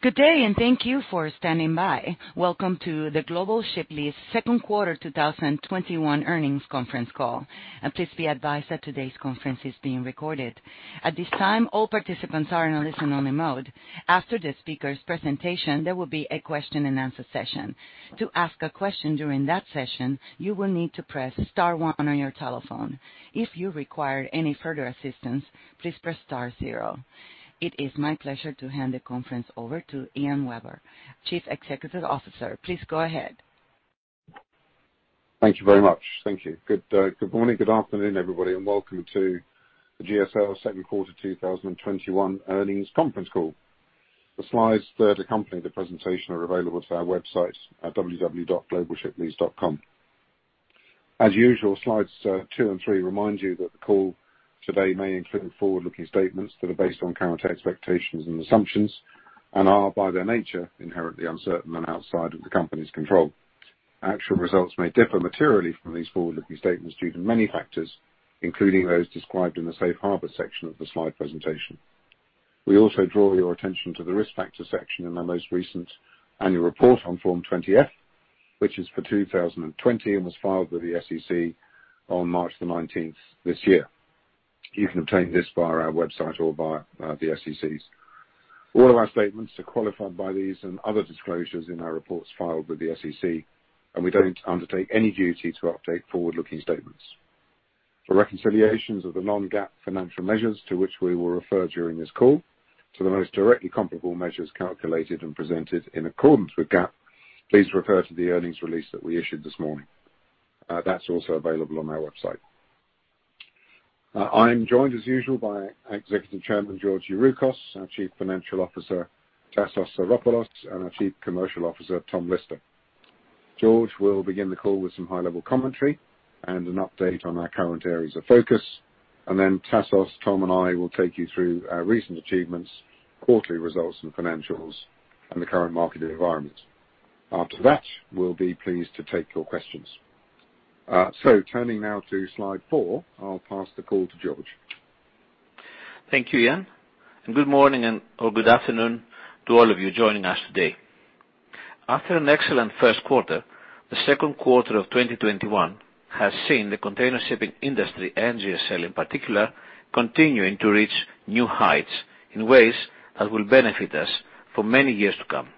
Good day, and thank you for standing by. Welcome to the Global Ship Lease second quarter 2021 earnings conference call. Please be advised that today's conference is being recorded. At this this time all participants are in a listen-only mode. After the speakers presentation, there will be a question-and-answer session. To ask a question during that session you will need to press star one on your telephone. If you require any further assistance please star zero. It is my pleasure to hand the conference over to Ian Webber, Chief Executive Officer. Please go ahead. Thank you very much. Thank you. Good morning, good afternoon, everybody, and welcome to the GSL second quarter 2021 earnings conference call. The slides that accompany the presentation are available at our website at www.globalshiplease.com. As usual, slides two and three remind you that the call today may include forward-looking statements that are based on current expectations and assumptions and are, by their nature, inherently uncertain and outside of the company's control. Actual results may differ materially from these forward-looking statements due to many factors, including those described in the safe harbor section of the slide presentation. We also draw your attention to the risk factor section in our most recent annual report on Form 20-F, which is for 2020 and was filed with the SEC on March the 19th this year. You can obtain this via our website or via the SEC's. All of our statements are qualified by these and other disclosures in our reports filed with the SEC. We don't undertake any duty to update forward-looking statements. For reconciliations of the non-GAAP financial measures to which we will refer during this call, to the most directly comparable measures calculated and presented in accordance with GAAP, please refer to the earnings release that we issued this morning. That's also available on our website. I'm joined, as usual, by Executive Chairman George Youroukos, our Chief Financial Officer, Tassos Psaropoulos, and our Chief Commercial Officer, Tom Lister. George will begin the call with some high-level commentary and an update on our current areas of focus. Then Tassos, Tom, and I will take you through our recent achievements, quarterly results, and financials on the current market environment. After that, we'll be pleased to take your questions. Turning now to slide four, I'll pass the call to George. Thank you, Ian. Good morning or good afternoon to all of you joining us today. After an excellent first quarter, the second quarter of 2021 has seen the container shipping industry, and GSL in particular, continuing to reach new heights in ways that will benefit us for many years to come.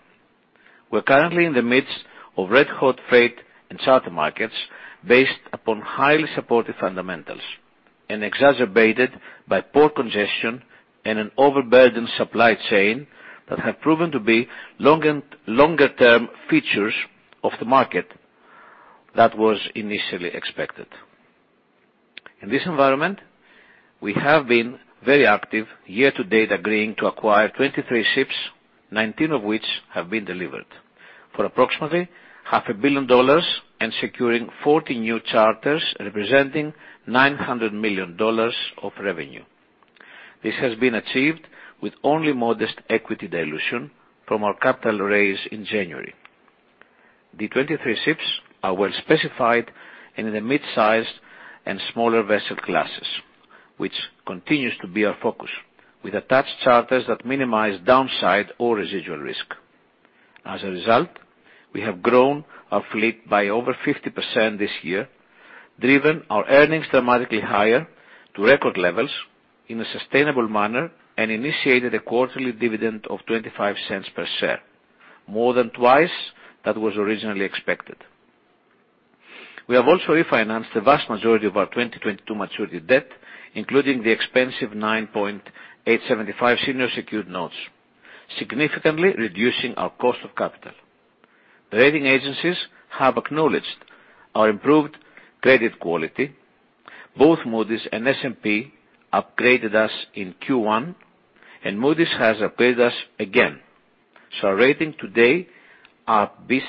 We're currently in the midst of red-hot freight and charter markets based upon highly supportive fundamentals and exacerbated by port congestion and an overburdened supply chain that have proven to be longer-term features of the market than was initially expected. In this environment, we have been very active year-to-date, agreeing to acquire 23 ships, 19 of which have been delivered, for approximately $500 million and securing 40 new charters, representing $900 million of revenue. This has been achieved with only modest equity dilution from our capital raise in January. The 23 ships are well specified and in the mid-sized and smaller vessel classes, which continues to be our focus, with attached charters that minimize downside or residual risk. As a result, we have grown our fleet by over 50% this year, driven our earnings dramatically higher to record levels in a sustainable manner, and initiated a quarterly dividend of $0.25 per share, more than twice that was originally expected. We have also refinanced the vast majority of our 2022 maturity debt, including the expensive 9.875 senior secured notes, significantly reducing our cost of capital. The rating agencies have acknowledged our improved credit quality. Both Moody's and S&P upgraded us in Q1, and Moody's has upgraded us again. Our rating today are B+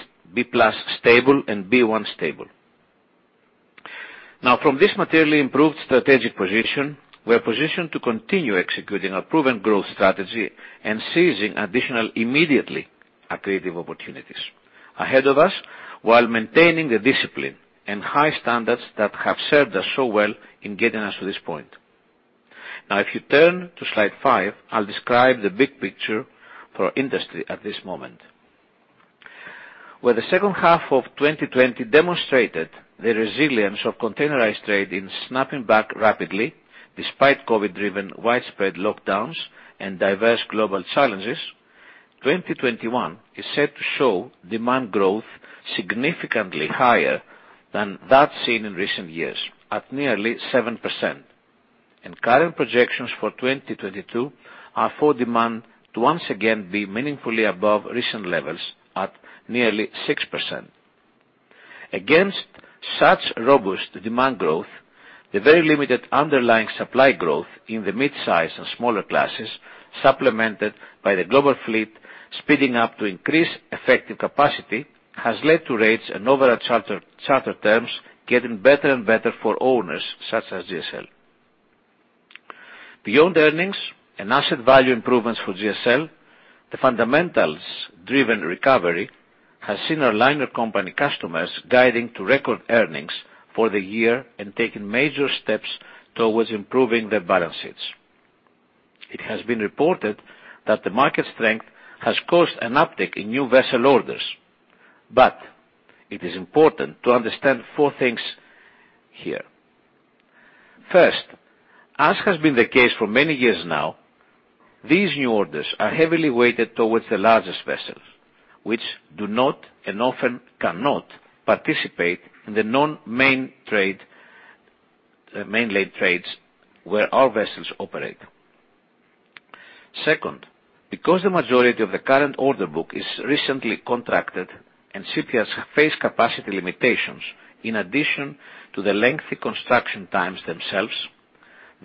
stable and B1 stable. Now, from this materially improved strategic position, we are positioned to continue executing our proven growth strategy and seizing additional immediately accretive opportunities ahead of us while maintaining the discipline and high standards that have served us so well in getting us to this point. Now, if you turn to slide five, I'll describe the big picture for our industry at this moment. Where the second half of 2020 demonstrated the resilience of containerized trade in snapping back rapidly despite COVID-driven widespread lockdowns and diverse global challenges, 2021 is set to show demand growth significantly higher than that seen in recent years, at nearly 7%. Current projections for 2022 are for demand to once again be meaningfully above recent levels at nearly 6%. Against such robust demand growth, the very limited underlying supply growth in the midsize and smaller classes, supplemented by the global fleet speeding up to increase effective capacity, has led to rates and overall charter terms getting better and better for owners such as GSL. Beyond earnings and asset value improvements for GSL, the fundamentals-driven recovery has seen our liner company customers guiding to record earnings for the year and taking major steps towards improving their balance sheets. It has been reported that the market strength has caused an uptick in new vessel orders. It is important to understand four things here. First, as has been the case for many years now, these new orders are heavily weighted towards the largest vessels, which do not and often cannot participate in the non-mainlay trades where our vessels operate. Second, because the majority of the current order book is recently contracted and shipyards face capacity limitations in addition to the lengthy construction times themselves,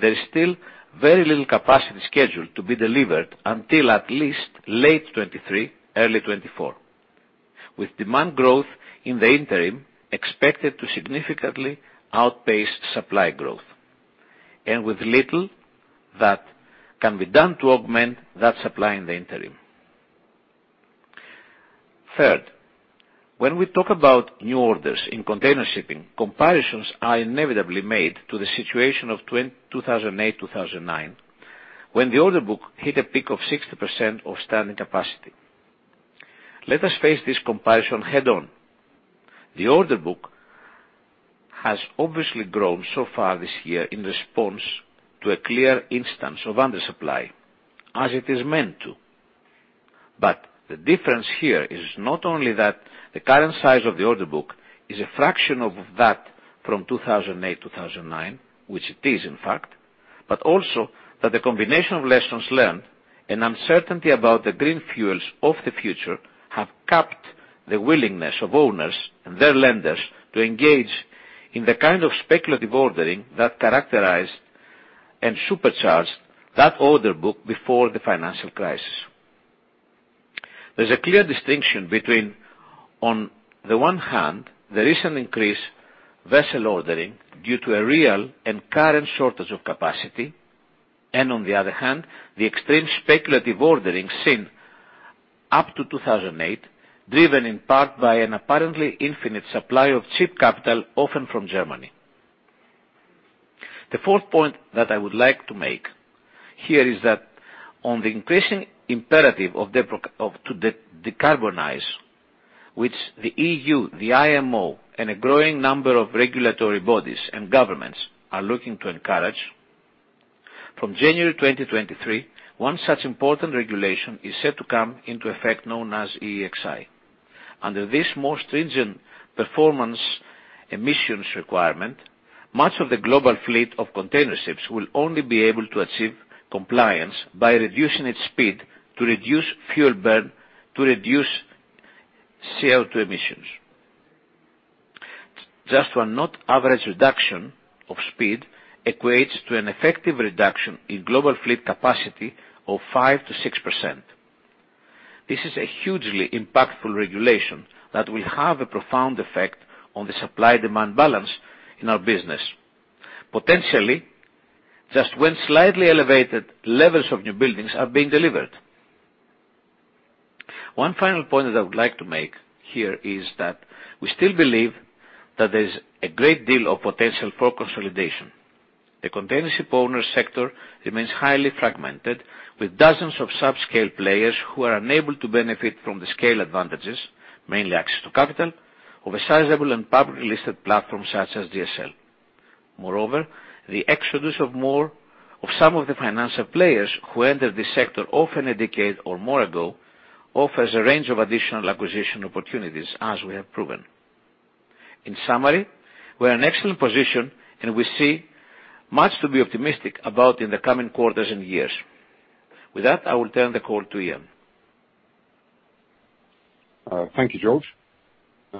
there is still very little capacity scheduled to be delivered until at least late 2023, early 2024, with demand growth in the interim expected to significantly outpace supply growth, and with little that can be done to augment that supply in the interim. Third, when we talk about new orders in container shipping, comparisons are inevitably made to the situation of 2008-2009, when the order book hit a peak of 60% of standing capacity. Let us face this comparison head on. The order book has obviously grown so far this year in response to a clear instance of undersupply, as it is meant to. The difference here is not only that the current size of the order book is a fraction of that from 2008-2009, which it is, in fact, but also that the combination of lessons learned and uncertainty about the green fuels of the future have capped the willingness of owners and their lenders to engage in the kind of speculative ordering that characterized and supercharged that order book before the financial crisis. There's a clear distinction between, on the one hand, the recent increase vessel ordering due to a real and current shortage of capacity, and on the other hand, the extreme speculative ordering seen up to 2008, driven in part by an apparently infinite supply of cheap capital, often from Germany. The fourth point that I would like to make here is that on the increasing imperative to decarbonize, which the EU, the IMO, and a growing number of regulatory bodies and governments are looking to encourage. From January 2023, one such important regulation is set to come into effect known as EEXI. Under this more stringent performance emissions requirement, much of the global fleet of container ships will only be able to achieve compliance by reducing its speed to reduce fuel burn, to reduce CO2 emissions. Just 1-knot average reduction of speed equates to an effective reduction in global fleet capacity of 5%-6%. This is a hugely impactful regulation that will have a profound effect on the supply-demand balance in our business, potentially just when slightly elevated levels of new buildings are being delivered. One final point that I would like to make here is that we still believe that there's a great deal of potential for consolidation. The container ship owner sector remains highly fragmented, with dozens of sub-scale players who are unable to benefit from the scale advantages, mainly access to capital, of a sizable and publicly listed platform such as GSL. The exodus of some of the financial players who entered this sector often a decade or more ago offers a range of additional acquisition opportunities, as we have proven. We are in an excellent position, and we see much to be optimistic about in the coming quarters and years. I will turn the call to Ian. Thank you, George.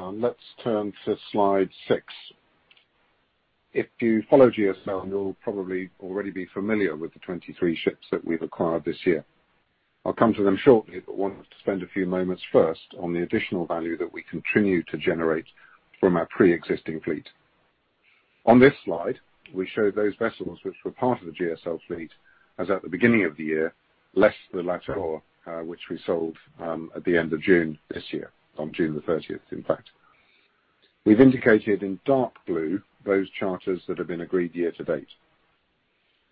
Let's turn to slide six. If you follow GSL, you'll probably already be familiar with the 23 ships that we've acquired this year. I'll come to them shortly, but wanted to spend a few moments first on the additional value that we continue to generate from our preexisting fleet. On this slide, we show those vessels which were part of the GSL fleet as at the beginning of the year, less the La Tour, which we sold at the end of June this year, on June 30th, in fact. We've indicated in dark blue those charters that have been agreed year-to-date.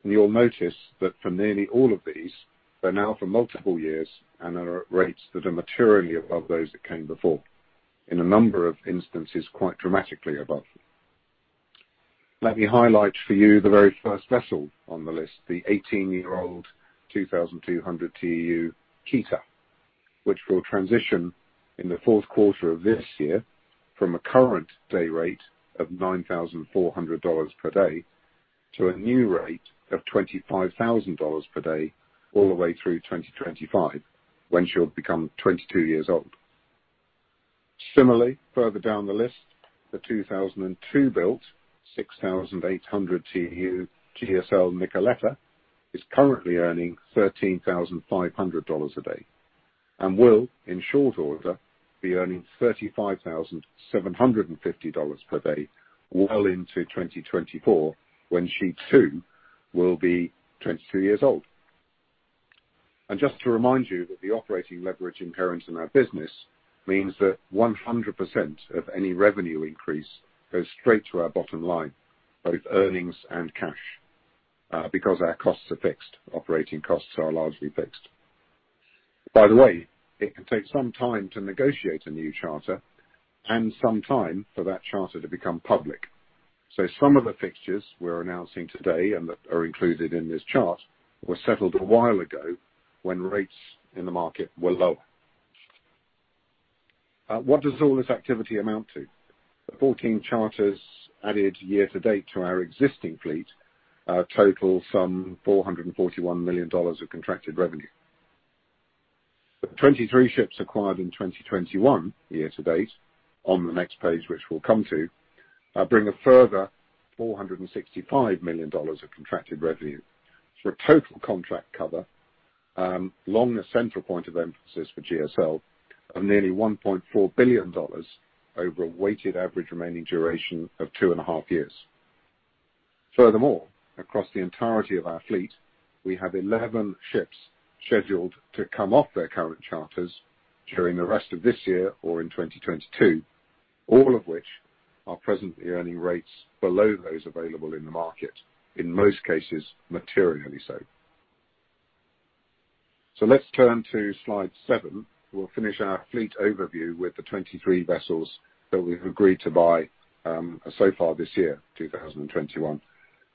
You'll notice that for nearly all of these, they're now for multiple years and are at rates that are materially above those that came before, in a number of instances, quite dramatically above. Let me highlight for you the very first vessel on the list, the 18-year-old 2,200 TEU Keta, which will transition in Q4 of this year from a current day rate of $9,400 per day to a new rate of $25,000 per day all the way through 2025, when she'll become 22 years old. Similarly, further down the list, the 2002-built 6,800 TEU GSL Nicoletta is currently earning $13,500 a day and will, in short order, be earning $35,750 per day well into 2024, when she too will be 22 years old. Just to remind you that the operating leverage inherent in our business means that 100% of any revenue increase goes straight to our bottom line, both earnings and cash, because our costs are fixed, operating costs are largely fixed. By the way, it can take some time to negotiate a new charter and some time for that charter to become public. Some of the fixtures we're announcing today, and that are included in this chart, were settled a while ago, when rates in the market were lower. What does all this activity amount to? 14 charters added year-to-date to our existing fleet total some $441 million of contracted revenue. 23 ships acquired in 2021, year-to-date, on the next page, which we'll come to, bring a further $465 million of contracted revenue. For a total contract cover, long a central point of emphasis for GSL, of nearly $1.4 billion over a weighted average remaining duration of 2.5 years. Furthermore, across the entirety of our fleet, we have 11 ships scheduled to come off their current charters during the rest of this year or in 2022. All of which are presently earning rates below those available in the market, in most cases, materially so. Let's turn to slide 7. We'll finish our fleet overview with the 23 vessels that we've agreed to buy so far this year, 2021,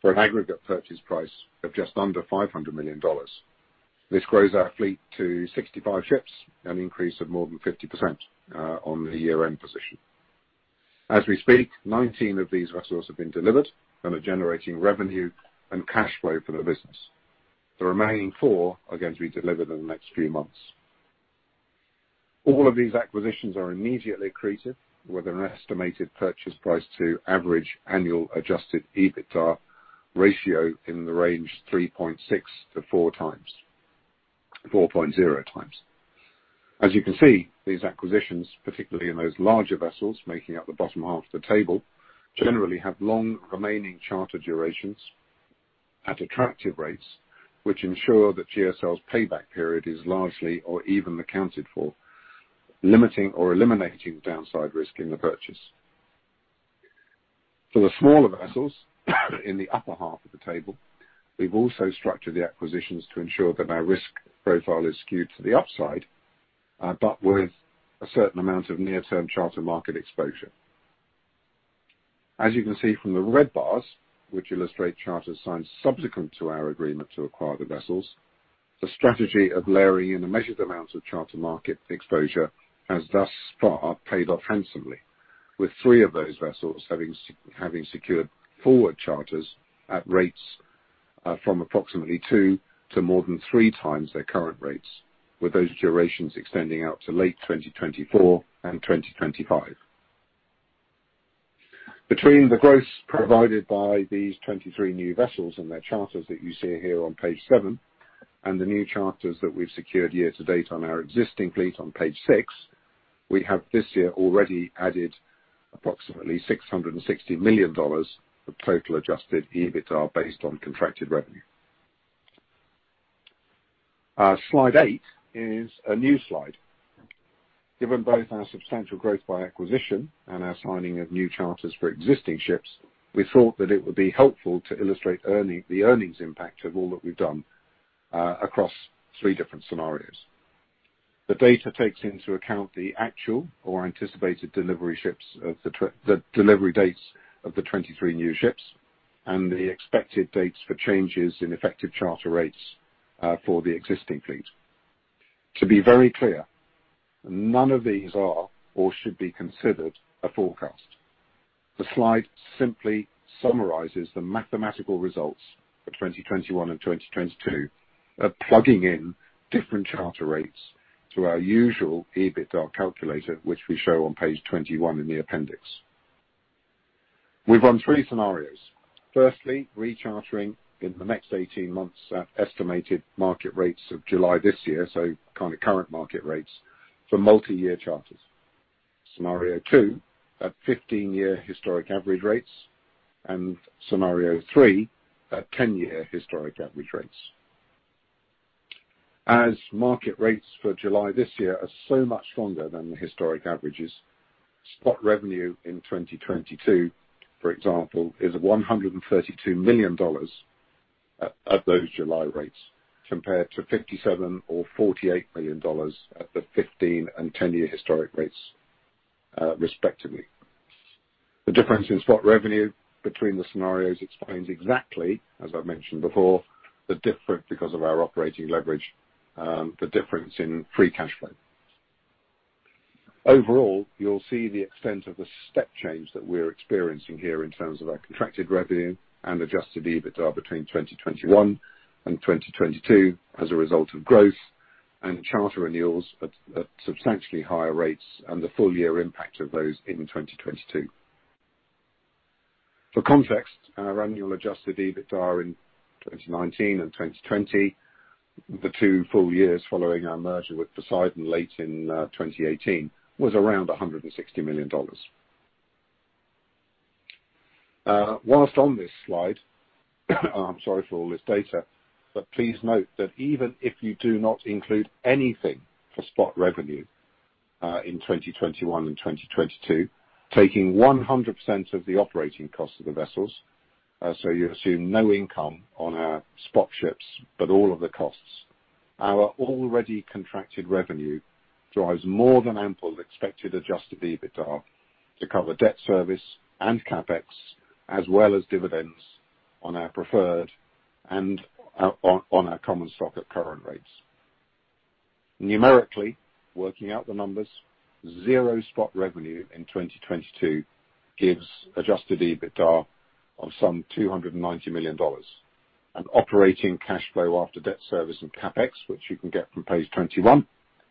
for an aggregate purchase price of just under $500 million. This grows our fleet to 65 ships, an increase of more than 50% on the year-end position. As we speak, 19 of these vessels have been delivered and are generating revenue and cash flow for the business. The remaining four are going to be delivered in the next few months. All of these acquisitions are immediately accretive, with an estimated purchase price to average annual adjusted EBITDA ratio in the range 3.6x-4x, 4.0x. As you can see, these acquisitions, particularly in those larger vessels making up the bottom half of the table, generally have long remaining charter durations at attractive rates, which ensure that Global Ship Lease's payback period is largely or even accounted for, limiting or eliminating downside risk in the purchase. For the smaller vessels in the upper half of the table, we've also structured the acquisitions to ensure that our risk profile is skewed to the upside, but with a certain amount of near-term charter market exposure. As you can see from the red bars, which illustrate charters signed subsequent to our agreement to acquire the vessels, the strategy of layering in a measured amount of charter market exposure has thus far paid off handsomely, with three of those vessels having secured forward charters at rates from approximately 2x to more than 3x their current rates, with those durations extending out to late 2024 and 2025. Between the growth provided by these 23 new vessels and their charters that you see here on page seven, and the new charters that we've secured year-to-date on our existing fleet on page seven, we have this year already added approximately $660 million of total adjusted EBITDA based on contracted revenue. Slide eight is a new slide. Given both our substantial growth by acquisition and our signing of new charters for existing ships, we thought that it would be helpful to illustrate the earnings impact of all that we've done across three different scenarios. The data takes into account the actual or anticipated delivery dates of the 23 new ships and the expected dates for changes in effective charter rates for the existing fleet. To be very clear, none of these are or should be considered a forecast. The slide simply summarizes the mathematical results for 2021 and 2022 of plugging in different charter rates to our usual EBITDA calculator, which we show on page 21 in the appendix. We've run three scenarios. Firstly, rechartering in the next 18 months at estimated market rates of July this year, so kind of current market rates, for multi-year charters. Scenario 2, at 15-year historic average rates, and scenario 3, at 10-year historic average rates. As market rates for July this year are so much stronger than the historic averages, spot revenue in 2022, for example, is $132 million at those July rates, compared to $57 or $48 million at the 15 and 10-year historic rates respectively. The difference in spot revenue between the scenarios explains exactly, as I mentioned before, because of our operating leverage, the difference in free cash flow. Overall, you'll see the extent of the step change that we're experiencing here in terms of our contracted revenue and adjusted EBITDA between 2021 and 2022 as a result of growth and charter renewals at substantially higher rates and the full-year impact of those in 2022. For context, our annual adjusted EBITDA in 2019 and 2020, the two full years following our merger with Poseidon late in 2018, was around $160 million. While on this slide, I'm sorry for all this data, please note that even if you do not include anything for spot revenue, in 2021 and 2022, taking 100% of the operating cost of the vessels, so you assume no income on our spot ships, but all of the costs. Our already contracted revenue drives more than ample expected adjusted EBITDA to cover debt service and CapEx, as well as dividends on our preferred and on our common stock at current rates. Numerically, working out the numbers, zero spot revenue in 2022 gives adjusted EBITDA of some $290 million. Operating cash flow after debt service and CapEx, which you can get from page 21,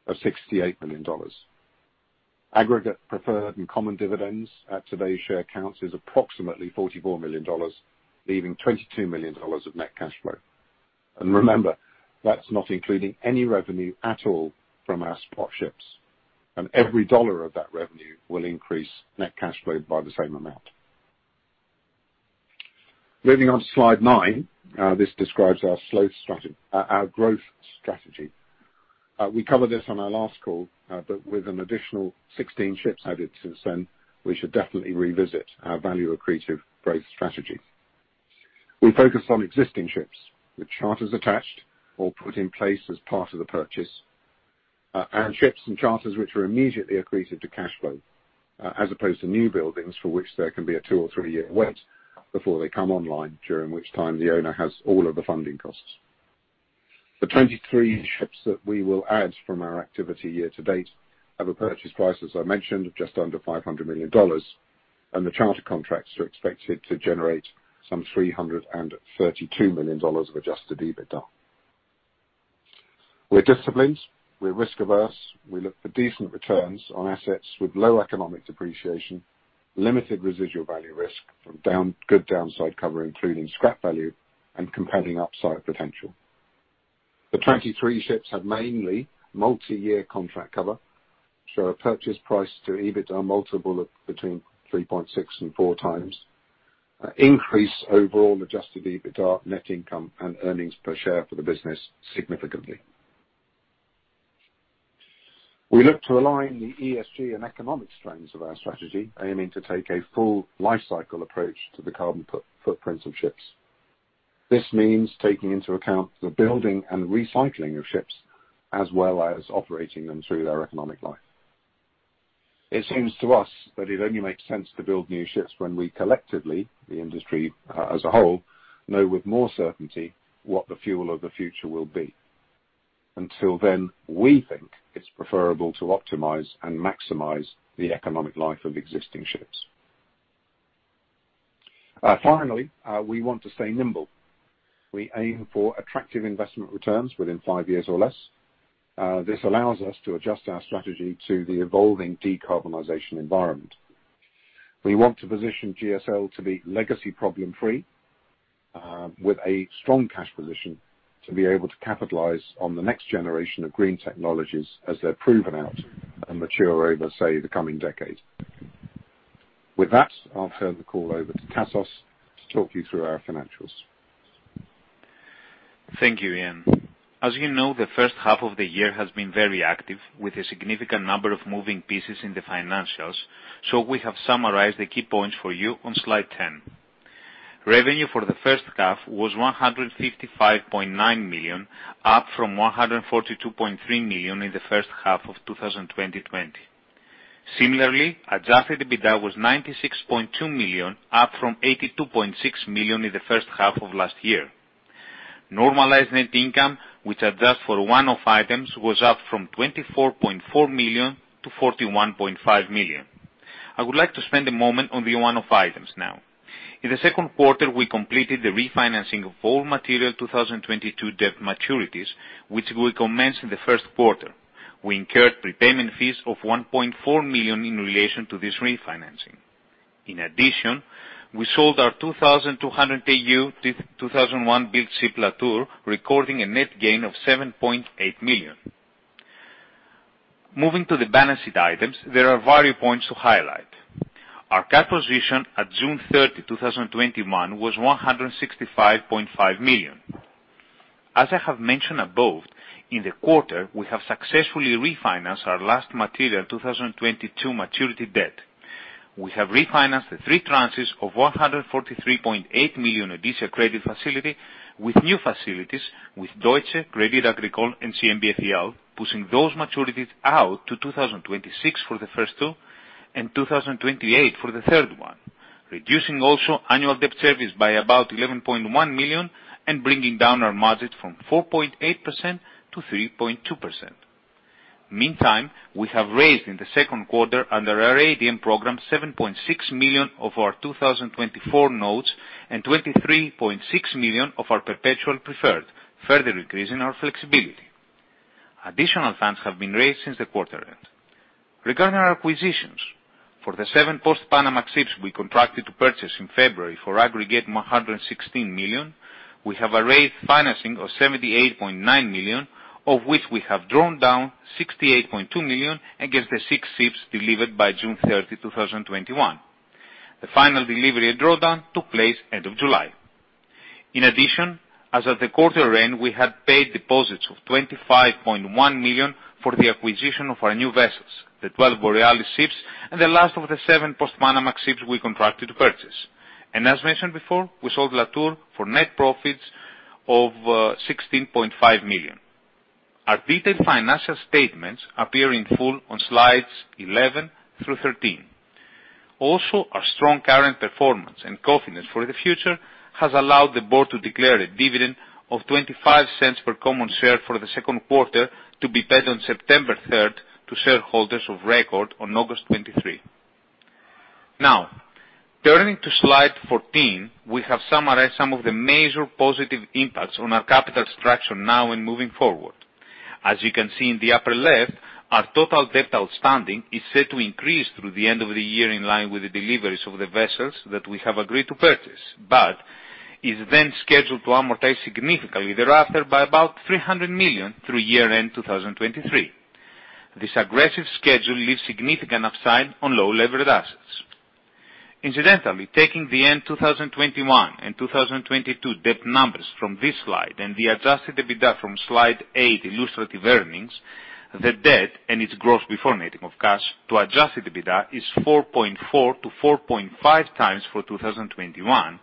are $68 million. Aggregate preferred and common dividends at today's share counts is approximately $44 million, leaving $22 million of net cash flow. Remember, that's not including any revenue at all from our spot ships. Every dollar of that revenue will increase net cash flow by the same amount. Moving on to slide nine. This describes our growth strategy. We covered this on our last call, with an additional 16 ships added since then, we should definitely revisit our value-accretive growth strategy. We focus on existing ships with charters attached or put in place as part of the purchase, and ships and charters which are immediately accretive to cash flow, as opposed to new buildings for which there can be a two or three-year wait before they come online, during which time the owner has all of the funding costs. The 23 ships that we will add from our activity year-to-date have a purchase price, as I mentioned, of just under $500 million, and the charter contracts are expected to generate some $332 million of adjusted EBITDA. We're disciplined, we're risk-averse. We look for decent returns on assets with low economic depreciation, limited residual value risk from good downside cover including scrap value and compelling upside potential. A purchase price to EBITDA multiple of between 3.6x and 4x increase overall adjusted EBITDA, net income, and earnings per share for the business significantly. We look to align the ESG and economic strengths of our strategy, aiming to take a full life cycle approach to the carbon footprint of ships. This means taking into account the building and recycling of ships, as well as operating them through their economic life. It seems to us that it only makes sense to build new ships when we collectively, the industry as a whole, know with more certainty what the fuel of the future will be. Until then, we think it's preferable to optimize and maximize the economic life of existing ships. Finally, we want to stay nimble. We aim for attractive investment returns within five years or less. This allows us to adjust our strategy to the evolving decarbonization environment. We want to position GSL to be legacy problem-free, with a strong cash position to be able to capitalize on the next generation of green technologies as they're proven out and mature over, say, the coming decade. With that, I'll turn the call over to Tassos to talk you through our financials. Thank you, Ian. As you know, the first half of the year has been very active with a significant number of moving pieces in the financials, so we have summarized the key points for you on slide 10. Revenue for the first half was $155.9 million, up from $142.3 million in the first half of 2020. Similarly, adjusted EBITDA was $96.2 million, up from $82.6 million in the first half of last year. Normalized net income, which adjusts for one-off items, was up from $24.4 million-$41.5 million. I would like to spend a moment on the one-off items now. In the second quarter, we completed the refinancing of all material 2022 debt maturities, which we commenced in the first quarter. We incurred prepayment fees of $1.4 million in relation to this refinancing. In addition, we sold our 2,200 TEU 2001-built ship La Tour, recording a net gain of $7.8 million. Moving to the balance sheet items, there are value points to highlight. Our cash position at June 30, 2021, was $165.5 million. As I have mentioned above, in the quarter, we have successfully refinanced our last material 2022 maturity debt. We have refinanced the three tranches of $143.8 million ODYSSEA credit facility with new facilities with Deutsche, Crédit Agricole, and CMBCEL, pushing those maturities out to 2026 for the first two and 2028 for the third one, reducing also annual debt service by about $11.1 million and bringing down our margin from 4.8% to 3.2%. Meantime, we have raised in the second quarter under our ATM program, $7.6 million of our 2024 notes and $23.6 million of our perpetual preferred, further increasing our flexibility. Additional funds have been raised since the quarter end. Regarding our acquisitions, for the seven post-Panamax ships we contracted to purchase in February for aggregate $116 million, we have arranged financing of $78.9 million. Of which we have drawn down $68.2 million against the six ships delivered by June 30, 2021. The final delivery and drawdown took place end of July. In addition, as of the quarter end, we had paid deposits of $25.1 million for the acquisition of our new vessels, the 12 Borealis ships and the last of the seven post-Panamax ships we contracted to purchase. As mentioned before, we sold La Tour for net profits of $16.5 million. Our detailed financial statements appear in full on slides 11 through 13. Our strong current performance and confidence for the future has allowed the board to declare a dividend of $0.25 per common share for the second quarter to be paid on September 3rd to shareholders of record on August 23. Turning to slide 14, we have summarized some of the major positive impacts on our capital structure now and moving forward. As you can see in the upper left, our total debt outstanding is set to increase through the end of the year in line with the deliveries of the vessels that we have agreed to purchase, but is then scheduled to amortize significantly thereafter by about $300 million through year-end 2023. This aggressive schedule leaves significant upside on low-levered assets. Incidentally, taking the end 2021 and 2022 debt numbers from this slide and the adjusted EBITDA from slide eight, illustrative earnings, the debt and its gross before netting of cash to adjusted EBITDA is 4.4x-4.5x for 2021,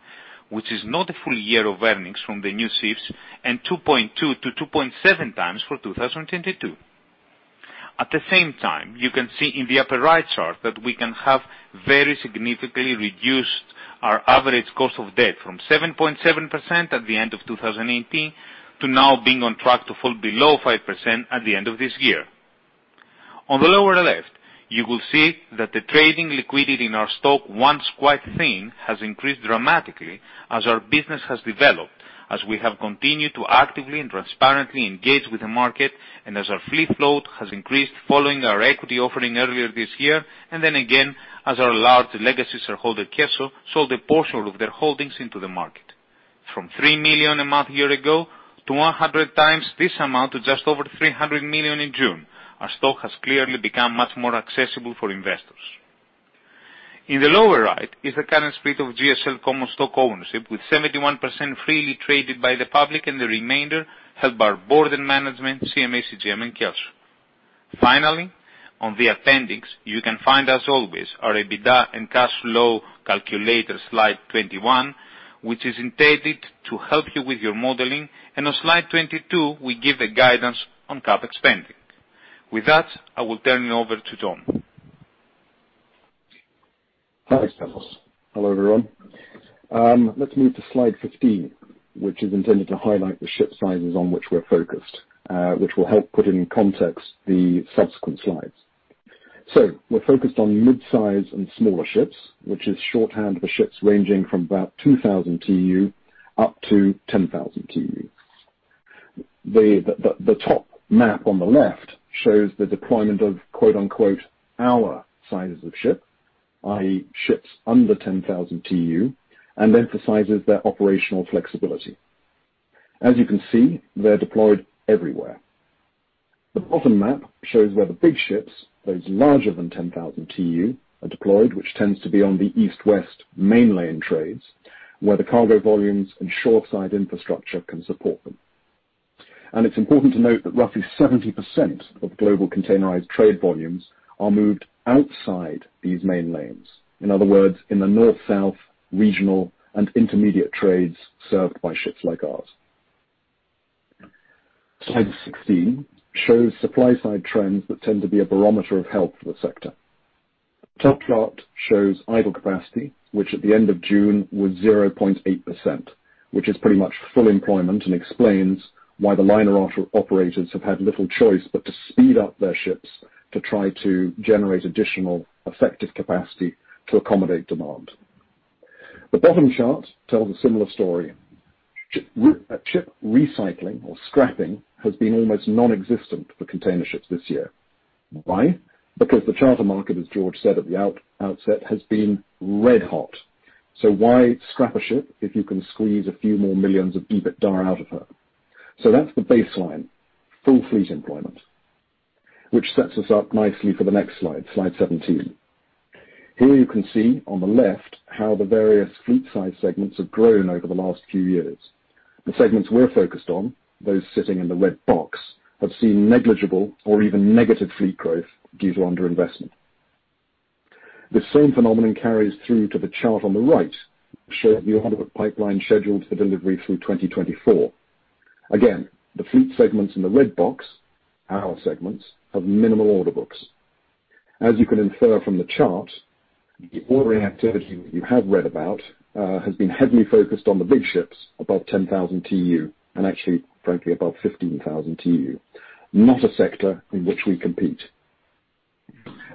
which is not a full year of earnings from the new ships, and 2.2x-2.7x for 2022. At the same time, you can see in the upper right chart that we can have very significantly reduced our average cost of debt from 7.7% at the end of 2018 to now being on track to fall below 5% at the end of this year. On the lower left, you will see that the trading liquidity in our stock, once quite thin, has increased dramatically as our business has developed, as we have continued to actively and transparently engage with the market, and as our fleet load has increased following our equity offering earlier this year, and then again, as our large legacy shareholder, Kelso, sold a portion of their holdings into the market. From $3 million a month year ago to 100x this amount to just over $300 million in June. Our stock has clearly become much more accessible for investors. In the lower right is the current split of GSL common stock ownership with 71% freely traded by the public and the remainder held by our board and management, CMA CGM, and Kelso. Finally, on the appendix, you can find as always our EBITDA and cash flow calculator, slide 21, which is intended to help you with your modeling. On slide 22, we give the guidance on cap spending. With that, I will turn you over to Tom. Thanks, Tassos. Hello, everyone. Let's move to slide 15, which is intended to highlight the ship sizes on which we're focused, which will help put in context the subsequent slides. We're focused on mid-size and smaller ships, which is shorthand for ships ranging from about 2,000 TEU up to 10,000 TEU. The top map on the left shows the deployment of "our sizes of ships," i.e., ships under 10,000 TEU, and emphasizes their operational flexibility. As you can see, they're deployed everywhere. The bottom map shows where the big ships, those larger than 10,000 TEU, are deployed, which tends to be on the east-west mainline trades, where the cargo volumes and shoreside infrastructure can support them. It's important to note that roughly 70% of global containerized trade volumes are moved outside these main lanes. In other words, in the north-south regional and intermediate trades served by ships like ours. Slide 16 shows supply-side trends that tend to be a barometer of health for the sector. Top chart shows idle capacity, which at the end of June was 0.8%, which is pretty much full employment and explains why the liner operators have had little choice but to speed up their ships to try to generate additional effective capacity to accommodate demand. The bottom chart tells a similar story. Ship recycling or scrapping has been almost nonexistent for container ships this year. Why? The charter market, as George said at the outset, has been red hot. Why scrap a ship if you can squeeze a few more millions of EBITDA out of her? That's the baseline, full fleet employment, which sets us up nicely for the next slide 17. Here you can see on the left how the various fleet size segments have grown over the last few years. The segments we're focused on, those sitting in the red box, have seen negligible or even negative fleet growth due to under-investment. The same phenomenon carries through to the chart on the right showing the order book pipeline scheduled for delivery through 2024. The fleet segments in the red box, our segments, have minimal order books. As you can infer from the chart, the ordering activity you have read about has been heavily focused on the big ships above 10,000 TEU and actually, frankly, above 15,000 TEU, not a sector in which we compete.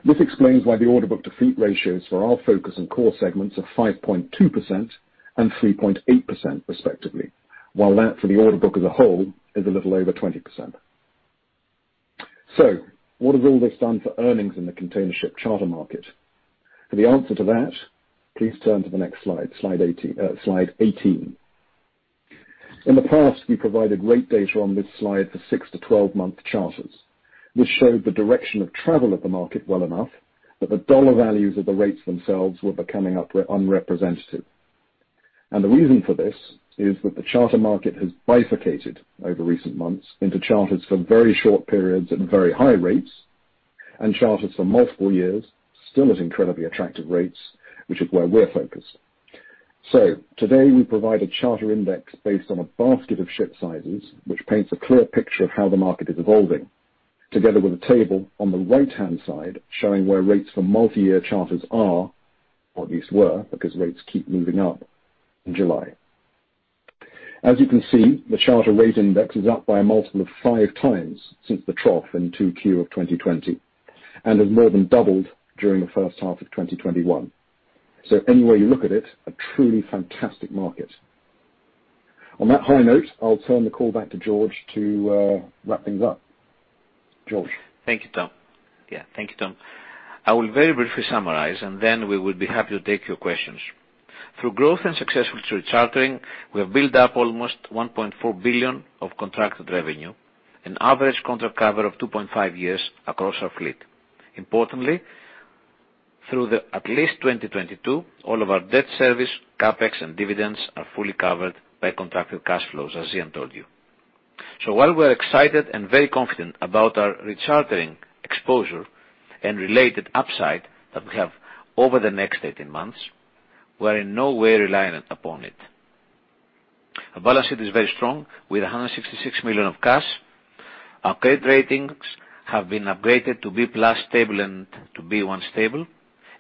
This explains why the order book to fleet ratios for our focus and core segments are 5.2% and 3.8% respectively, while that for the order book as a whole is a little over 20%. What has all this done for earnings in the containership charter market? For the answer to that, please turn to the next slide 18. In the past, we provided rate data on this slide for 6 to 12-month charters. This showed the direction of travel of the market well enough that the dollar values of the rates themselves were becoming unrepresentative. The reason for this is that the charter market has bifurcated over recent months into charters for very short periods at very high rates, and charters for multiple years, still at incredibly attractive rates, which is where we're focused. Today we provide a charter index based on a basket of ship sizes, which paints a clear picture of how the market is evolving, together with a table on the right-hand side showing where rates for multi-year charters are, or at least were, because rates keep moving up in July. As you can see, the charter rate index is up by a multiple of 5x since the trough in 2Q 2020, and has more than doubled during the first half of 2021. Any way you look at it, a truly fantastic market. On that high note, I'll turn the call back to George to wrap things up. George? Thank you, Tom. Yeah, thank you, Tom. I will very briefly summarize, and then we will be happy to take your questions. Through growth and successful rechartering, we have built up almost $1.4 billion of contracted revenue and average contract cover of 2.5 years across our fleet. Importantly, through at least 2022, all of our debt service, CapEx, and dividends are fully covered by contracted cash flows, as Ian told you. While we're excited and very confident about our rechartering exposure and related upside that we have over the next 18 months, we're in no way reliant upon it. Our balance sheet is very strong with $166 million of cash. Our credit ratings have been upgraded to B+ stable and to B1 stable,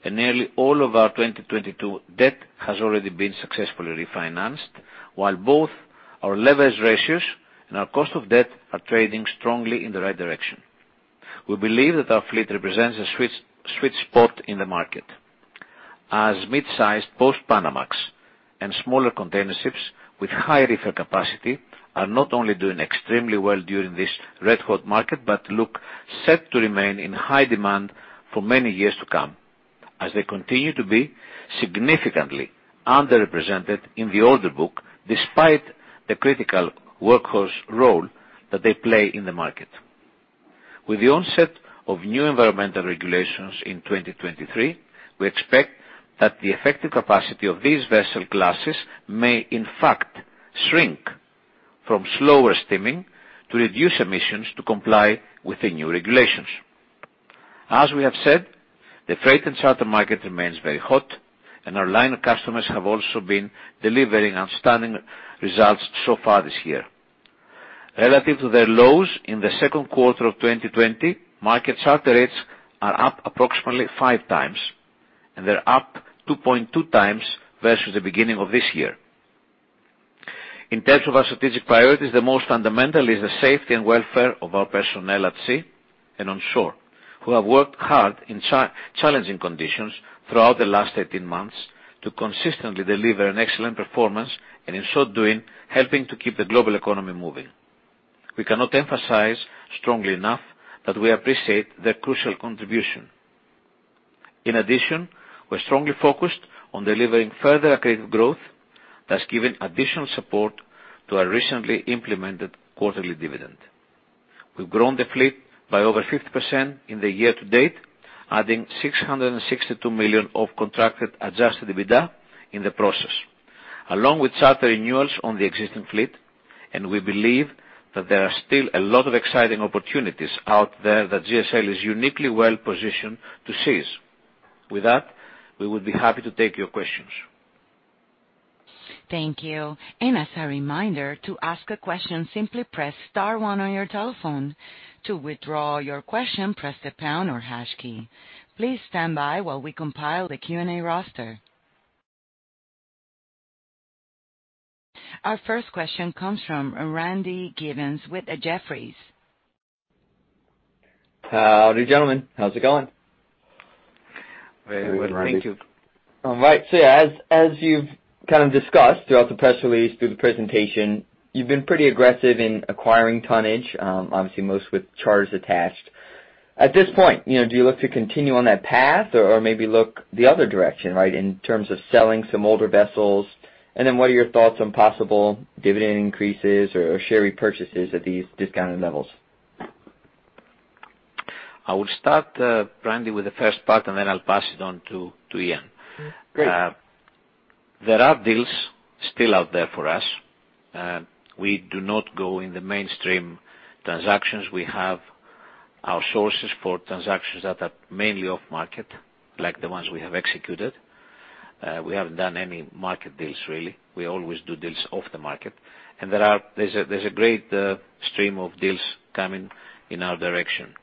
and nearly all of our 2022 debt has already been successfully refinanced, while both our leverage ratios and our cost of debt are trending strongly in the right direction. We believe that our fleet represents a sweet spot in the market, as mid-sized post-Panamax and smaller containerships with high reefer capacity are not only doing extremely well during this red-hot market, but look set to remain in high demand for many years to come as they continue to be significantly underrepresented in the order book, despite the critical workhorse role that they play in the market. With the onset of new environmental regulations in 2023, we expect that the effective capacity of these vessel classes may in fact shrink from slower steaming to reduce emissions to comply with the new regulations. As we have said, the freight and charter market remains very hot, and our liner customers have also been delivering outstanding results so far this year. Relative to their lows in the second quarter of 2020, market charter rates are up approximately 5x, and they're up 2.2x versus the beginning of this year. In terms of our strategic priorities, the most fundamental is the safety and welfare of our personnel at sea and on shore, who have worked hard in challenging conditions throughout the last 18 months to consistently deliver an excellent performance, and in so doing, helping to keep the global economy moving. We cannot emphasize strongly enough that we appreciate their crucial contribution. In addition, we're strongly focused on delivering further accretive growth, thus giving additional support to our recently implemented quarterly dividend. We've grown the fleet by over 50% in the year-to-date, adding $662 million of contracted adjusted EBITDA in the process, along with charter renewals on the existing fleet, and we believe that there are still a lot of exciting opportunities out there that GSL is uniquely well-positioned to seize. With that, we would be happy to take your questions. Thank you. As a reminder, to ask a question, simply press star one on your telephone. To withdraw your question, press the pound or hash key. Please stand by while we compile the Q&A roster. Our first question comes from Randy Giveans with Jefferies. Howdy, gentlemen. How's it going? Very well, thank you. Good, Randy. All right. Yeah, as you've kind of discussed throughout the press release, through the presentation, you've been pretty aggressive in acquiring tonnage, obviously most with charters attached. At this point, do you look to continue on that path or maybe look the other direction, in terms of selling some older vessels? What are your thoughts on possible dividend increases or share repurchases at these discounted levels? I will start, Randy, with the first part, and then I'll pass it on to Ian. Great. There are deals still out there for us. We do not go in the mainstream transactions. We have our sources for transactions that are mainly off-market, like the ones we have executed. We haven't done any market deals, really. We always do deals off the market. There's a great stream of deals coming in our direction.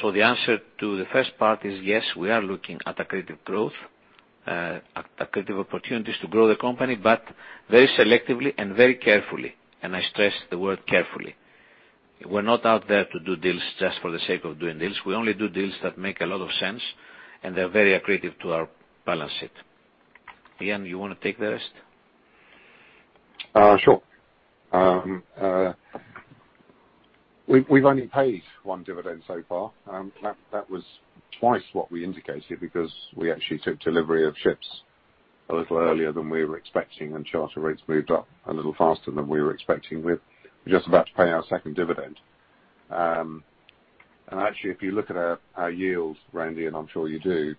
The answer to the first part is yes, we are looking at accretive growth, at accretive opportunities to grow the company, but very selectively and very carefully, and I stress the word carefully. We're not out there to do deals just for the sake of doing deals. We only do deals that make a lot of sense and they're very accretive to our balance sheet. Ian, you want to take the rest? Sure. We've only paid one dividend so far. That was twice what we indicated because we actually took delivery of ships a little earlier than we were expecting, and charter rates moved up a little faster than we were expecting. We're just about to pay our second dividend. Actually, if you look at our yields, Randy, and I'm sure you do,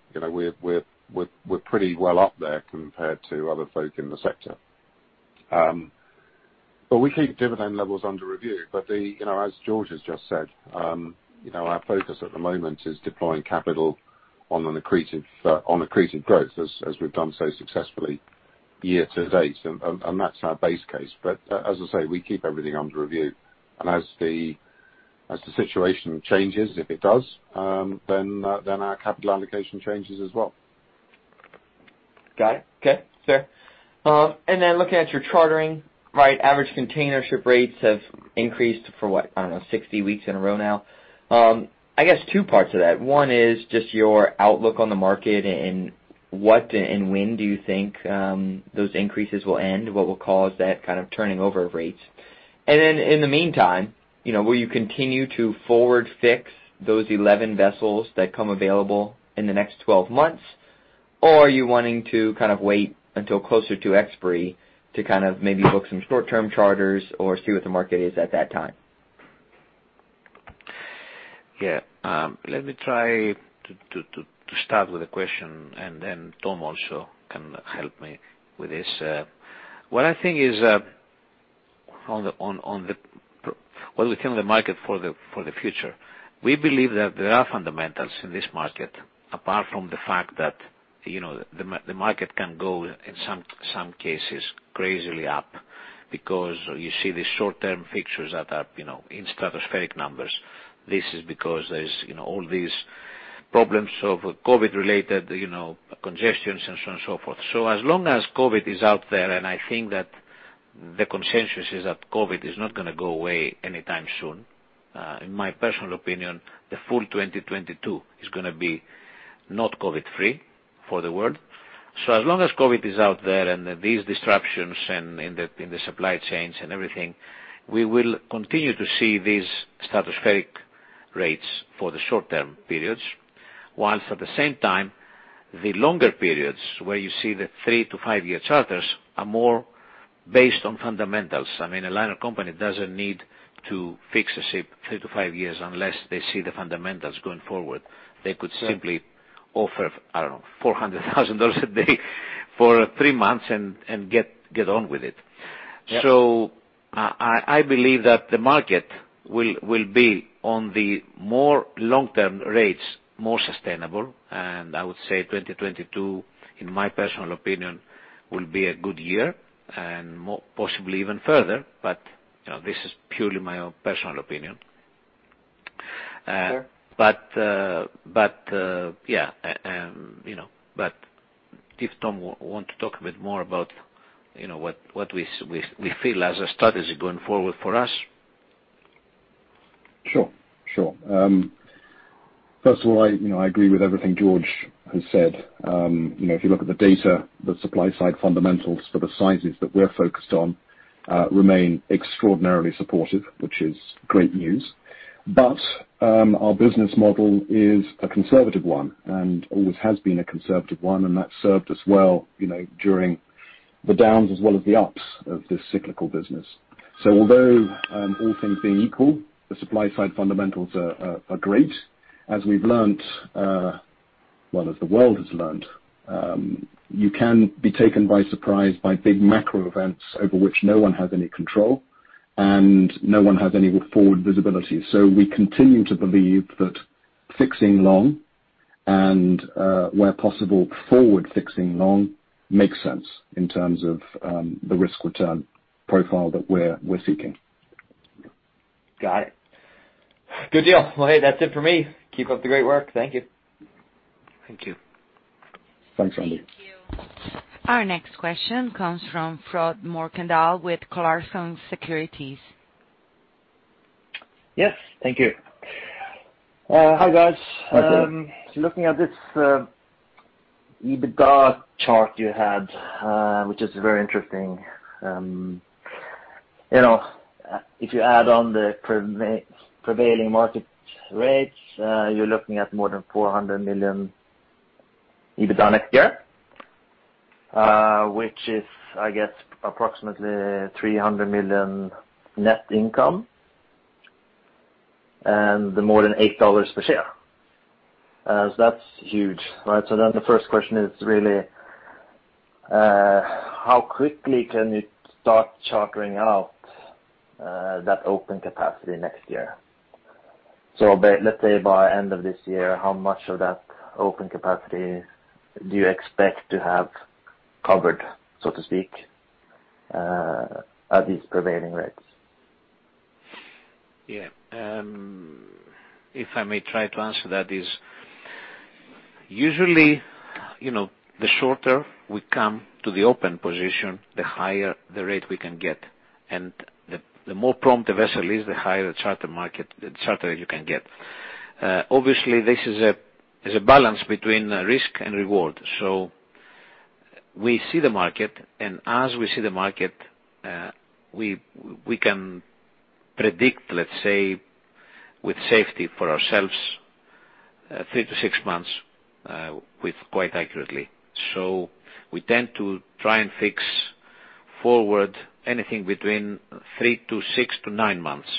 we're pretty well up there compared to other folk in the sector. We keep dividend levels under review. As George has just said, our focus at the moment is deploying capital on accretive growth as we've done so successfully year-to-date, and that's our base case. As I say, we keep everything under review, and as the situation changes, if it does, then our capital allocation changes as well. Got it. Okay. Sure. Looking at your chartering, average container ship rates have increased for what, I don't know, 60 weeks in a row now. I guess two parts to that. One is just your outlook on the market, and what and when do you think those increases will end? What will cause that kind of turning over of rates? In the meantime, will you continue to forward fix those 11 vessels that come available in the next 12 months? Are you wanting to kind of wait until closer to expiry to kind of maybe book some short-term charters or see what the market is at that time? Yeah. Let me try to start with a question, and then Tom also can help me with this. What I think is when we came to the market for the future, we believe that there are fundamentals in this market apart from the fact that the market can go, in some cases, crazily up because you see the short-term fixtures that are in stratospheric numbers. This is because there's all these problems of COVID-related congestions and so on and so forth. As long as COVID is out there, and I think that the consensus is that COVID is not going to go away anytime soon. In my personal opinion, the full 2022 is going to be not COVID-free for the world. As long as COVID is out there and these disruptions in the supply chains and everything, we will continue to see these stratospheric rates for the short-term periods, while at the same time, the longer periods, where you see the three to five-year charters, are more based on fundamentals. A liner company doesn't need to fix a ship three to five years unless they see the fundamentals going forward. They could simply offer, I don't know, $400,000 a day for three months and get on with it. Yeah. I believe that the market will be on the more long-term rates, more sustainable, and I would say 2022, in my personal opinion, will be a good year and possibly even further, but this is purely my own personal opinion. Sure. If Tom want to talk a bit more about what we feel as a strategy going forward for us. Sure. First of all, I agree with everything George has said. If you look at the data, the supply side fundamentals for the sizes that we're focused on remain extraordinarily supportive, which is great news. Our business model is a conservative one and always has been a conservative one, and that's served us well during the downs as well as the ups of this cyclical business. Although all things being equal, the supply side fundamentals are great. As we've learned, well, as the world has learned, you can be taken by surprise by big macro events over which no one has any control and no one has any forward visibility. We continue to believe that fixing long and, where possible, forward fixing long makes sense in terms of the risk return profile that we're seeking. Got it. Good deal. Well, hey, that's it for me. Keep up the great work. Thank you. Thank you. Thanks, Randy. Thank you. Our next question comes from Frode Mørkedal with Clarksons Securities. Yes. Thank you. Hi, guys. Hi, Frode. Looking at this EBITDA chart you had, which is very interesting. If you add on the prevailing market rates, you're looking at more than $400 million EBITDA next year, which is, I guess, approximately $300 million net income and more than $8 per share. That's huge. The first question is really, how quickly can you start chartering out that open capacity next year? Let's say by end of this year, how much of that open capacity do you expect to have covered, so to speak, at these prevailing rates? If I may try to answer that, usually, the shorter we come to the open position, the higher the rate we can get. The more prompt the vessel is, the higher the charter you can get. Obviously, this is a balance between risk and reward. We see the market, and as we see the market, we can predict, let's say, with safety for ourselves, three to six months quite accurately. We tend to try and fix forward anything between three to six to nine months.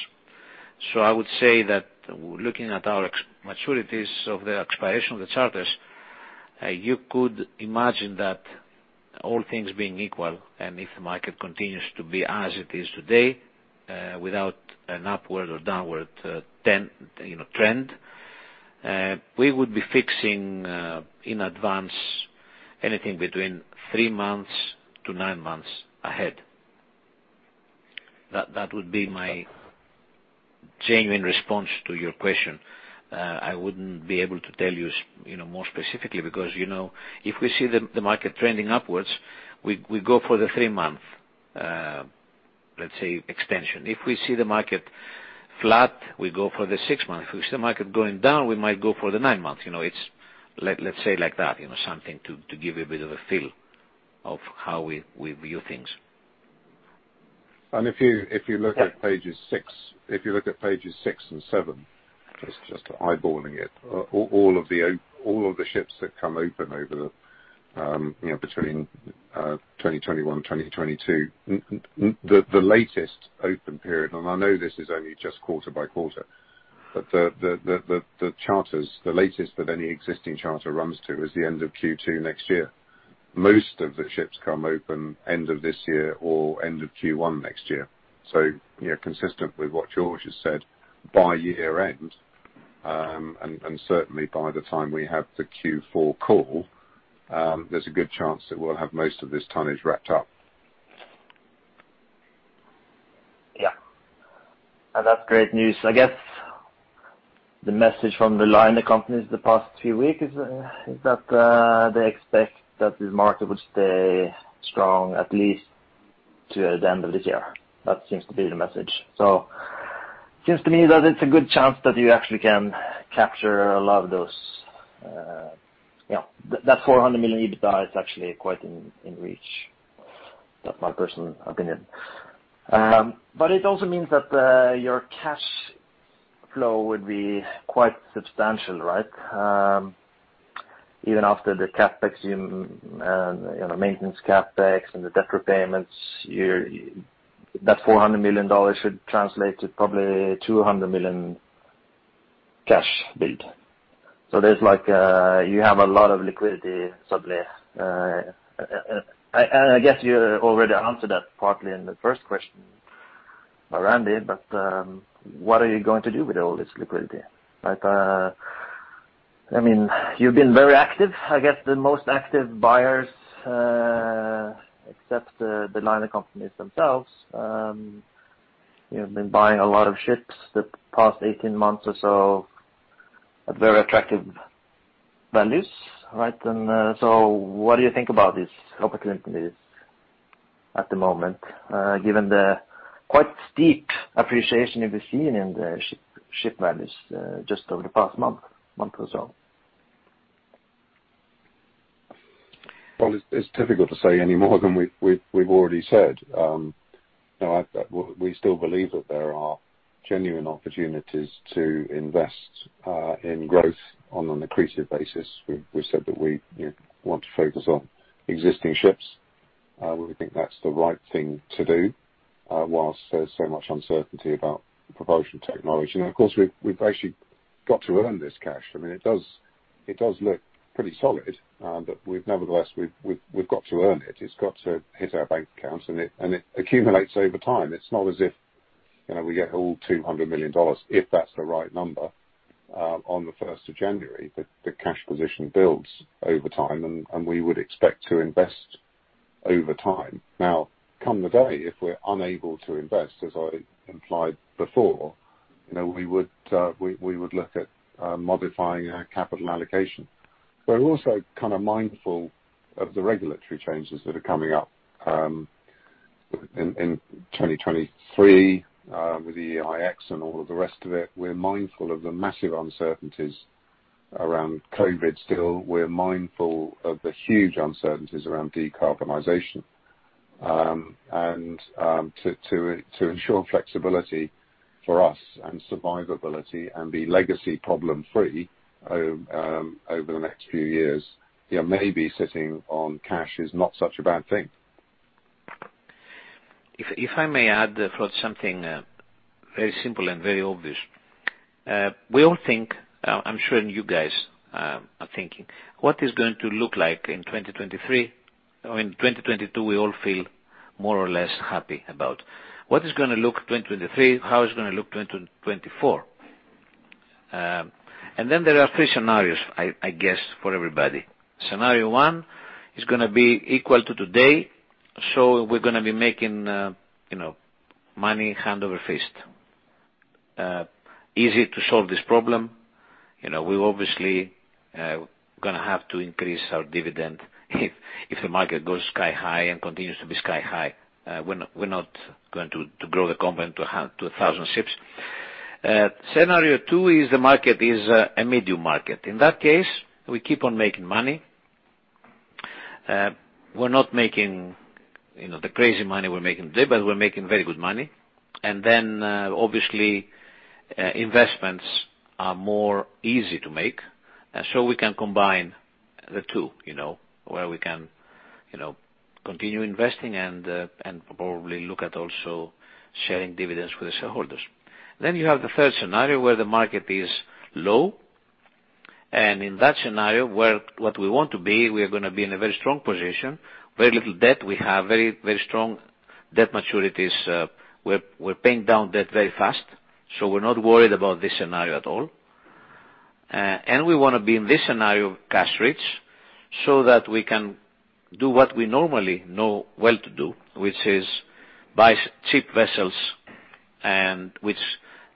I would say that looking at our maturities of the expiration of the charters, you could imagine that all things being equal, and if the market continues to be as it is today, without an upward or downward trend, we would be fixing in advance anything between three months to nine months ahead. That would be my genuine response to your question. I wouldn't be able to tell you more specifically, because if we see the market trending upwards, we go for the three-month, let's say, extension. If we see the market flat, we go for the six months. If we see the market going down, we might go for the nine months. Let's say like that, something to give you a bit of a feel of how we view things. If you look at pages six and seven, just eyeballing it, all of the ships that come open between 2021, 2022, the latest open period, and I know this is only just quarter by quarter, but the charters, the latest that any existing charter runs to is the end of Q2 next year. Most of the ships come open end of this year or end of Q1 next year. Consistent with what George has said, by year-end, and certainly by the time we have the Q4 call, there's a good chance that we'll have most of this tonnage wrapped up. Yeah. That's great news. I guess the message from the liner companies the past few weeks is that they expect that this market would stay strong at least to the end of this year. That seems to be the message. It seems to me that it's a good chance that you actually can capture a lot of those. That $400 million EBITDA is actually quite in reach. That's my personal opinion. It also means that your cash flow would be quite substantial, right? Even after the maintenance CapEx and the debt repayments, that $400 million should translate to probably $200 million cash flow. You have a lot of liquidity suddenly. I guess you already answered that partly in the first question by Randy, what are you going to do with all this liquidity? You've been very active, I guess the most active buyers, except the liner companies themselves. You've been buying a lot of ships the past 18 months or so at very attractive values, right? What do you think about these opportunities at the moment, given the quite steep appreciation we've seen in the ship values just over the past month or so? Well, it's difficult to say any more than we've already said. We still believe that there are genuine opportunities to invest in growth on an accretive basis. We've said that we want to focus on existing ships. We think that's the right thing to do whilst there's so much uncertainty about propulsion technology. Of course, we've basically got to earn this cash. It does look pretty solid, nevertheless, we've got to earn it. It's got to hit our bank accounts, it accumulates over time. It's not as if we get all $200 million, if that's the right number, on the 1st of January. The cash position builds over time, we would expect to invest over time. Come the day, if we're unable to invest, as I implied before, we would look at modifying our capital allocation. We're also kind of mindful of the regulatory changes that are coming up in 2023 with the EEXI and all of the rest of it. We're mindful of the massive uncertainties around COVID still. We're mindful of the huge uncertainties around decarbonization. To ensure flexibility for us and survivability and be legacy problem-free over the next few years, maybe sitting on cash is not such a bad thing. If I may add, Frode, something very simple and very obvious. We all think, I'm sure you guys are thinking, what is going to look like in 2023? In 2022, we all feel more or less happy about. What is going to look 2023? How is it going to look 2024? Then there are three scenarios, I guess, for everybody. Scenario one is going to be equal to today, we're going to be making money hand over fist. Easy to solve this problem. We're going to have to increase our dividend if the market goes sky high and continues to be sky high. We're not going to grow the company to 1,000 ships. Scenario two is the market is a medium market. In that case, we keep on making money. We're not making the crazy money we're making today, we're making very good money. Obviously, investments are more easy to make, and so we can combine the two, where we can continue investing and probably look at also sharing dividends with the shareholders. You have the third scenario where the market is low, and in that scenario, where what we want to be, we are going to be in a very strong position, very little debt. We have very strong debt maturities. We're paying down debt very fast, so we're not worried about this scenario at all. We want to be, in this scenario, cash rich so that we can do what we normally know well to do, which is buy cheap vessels, and which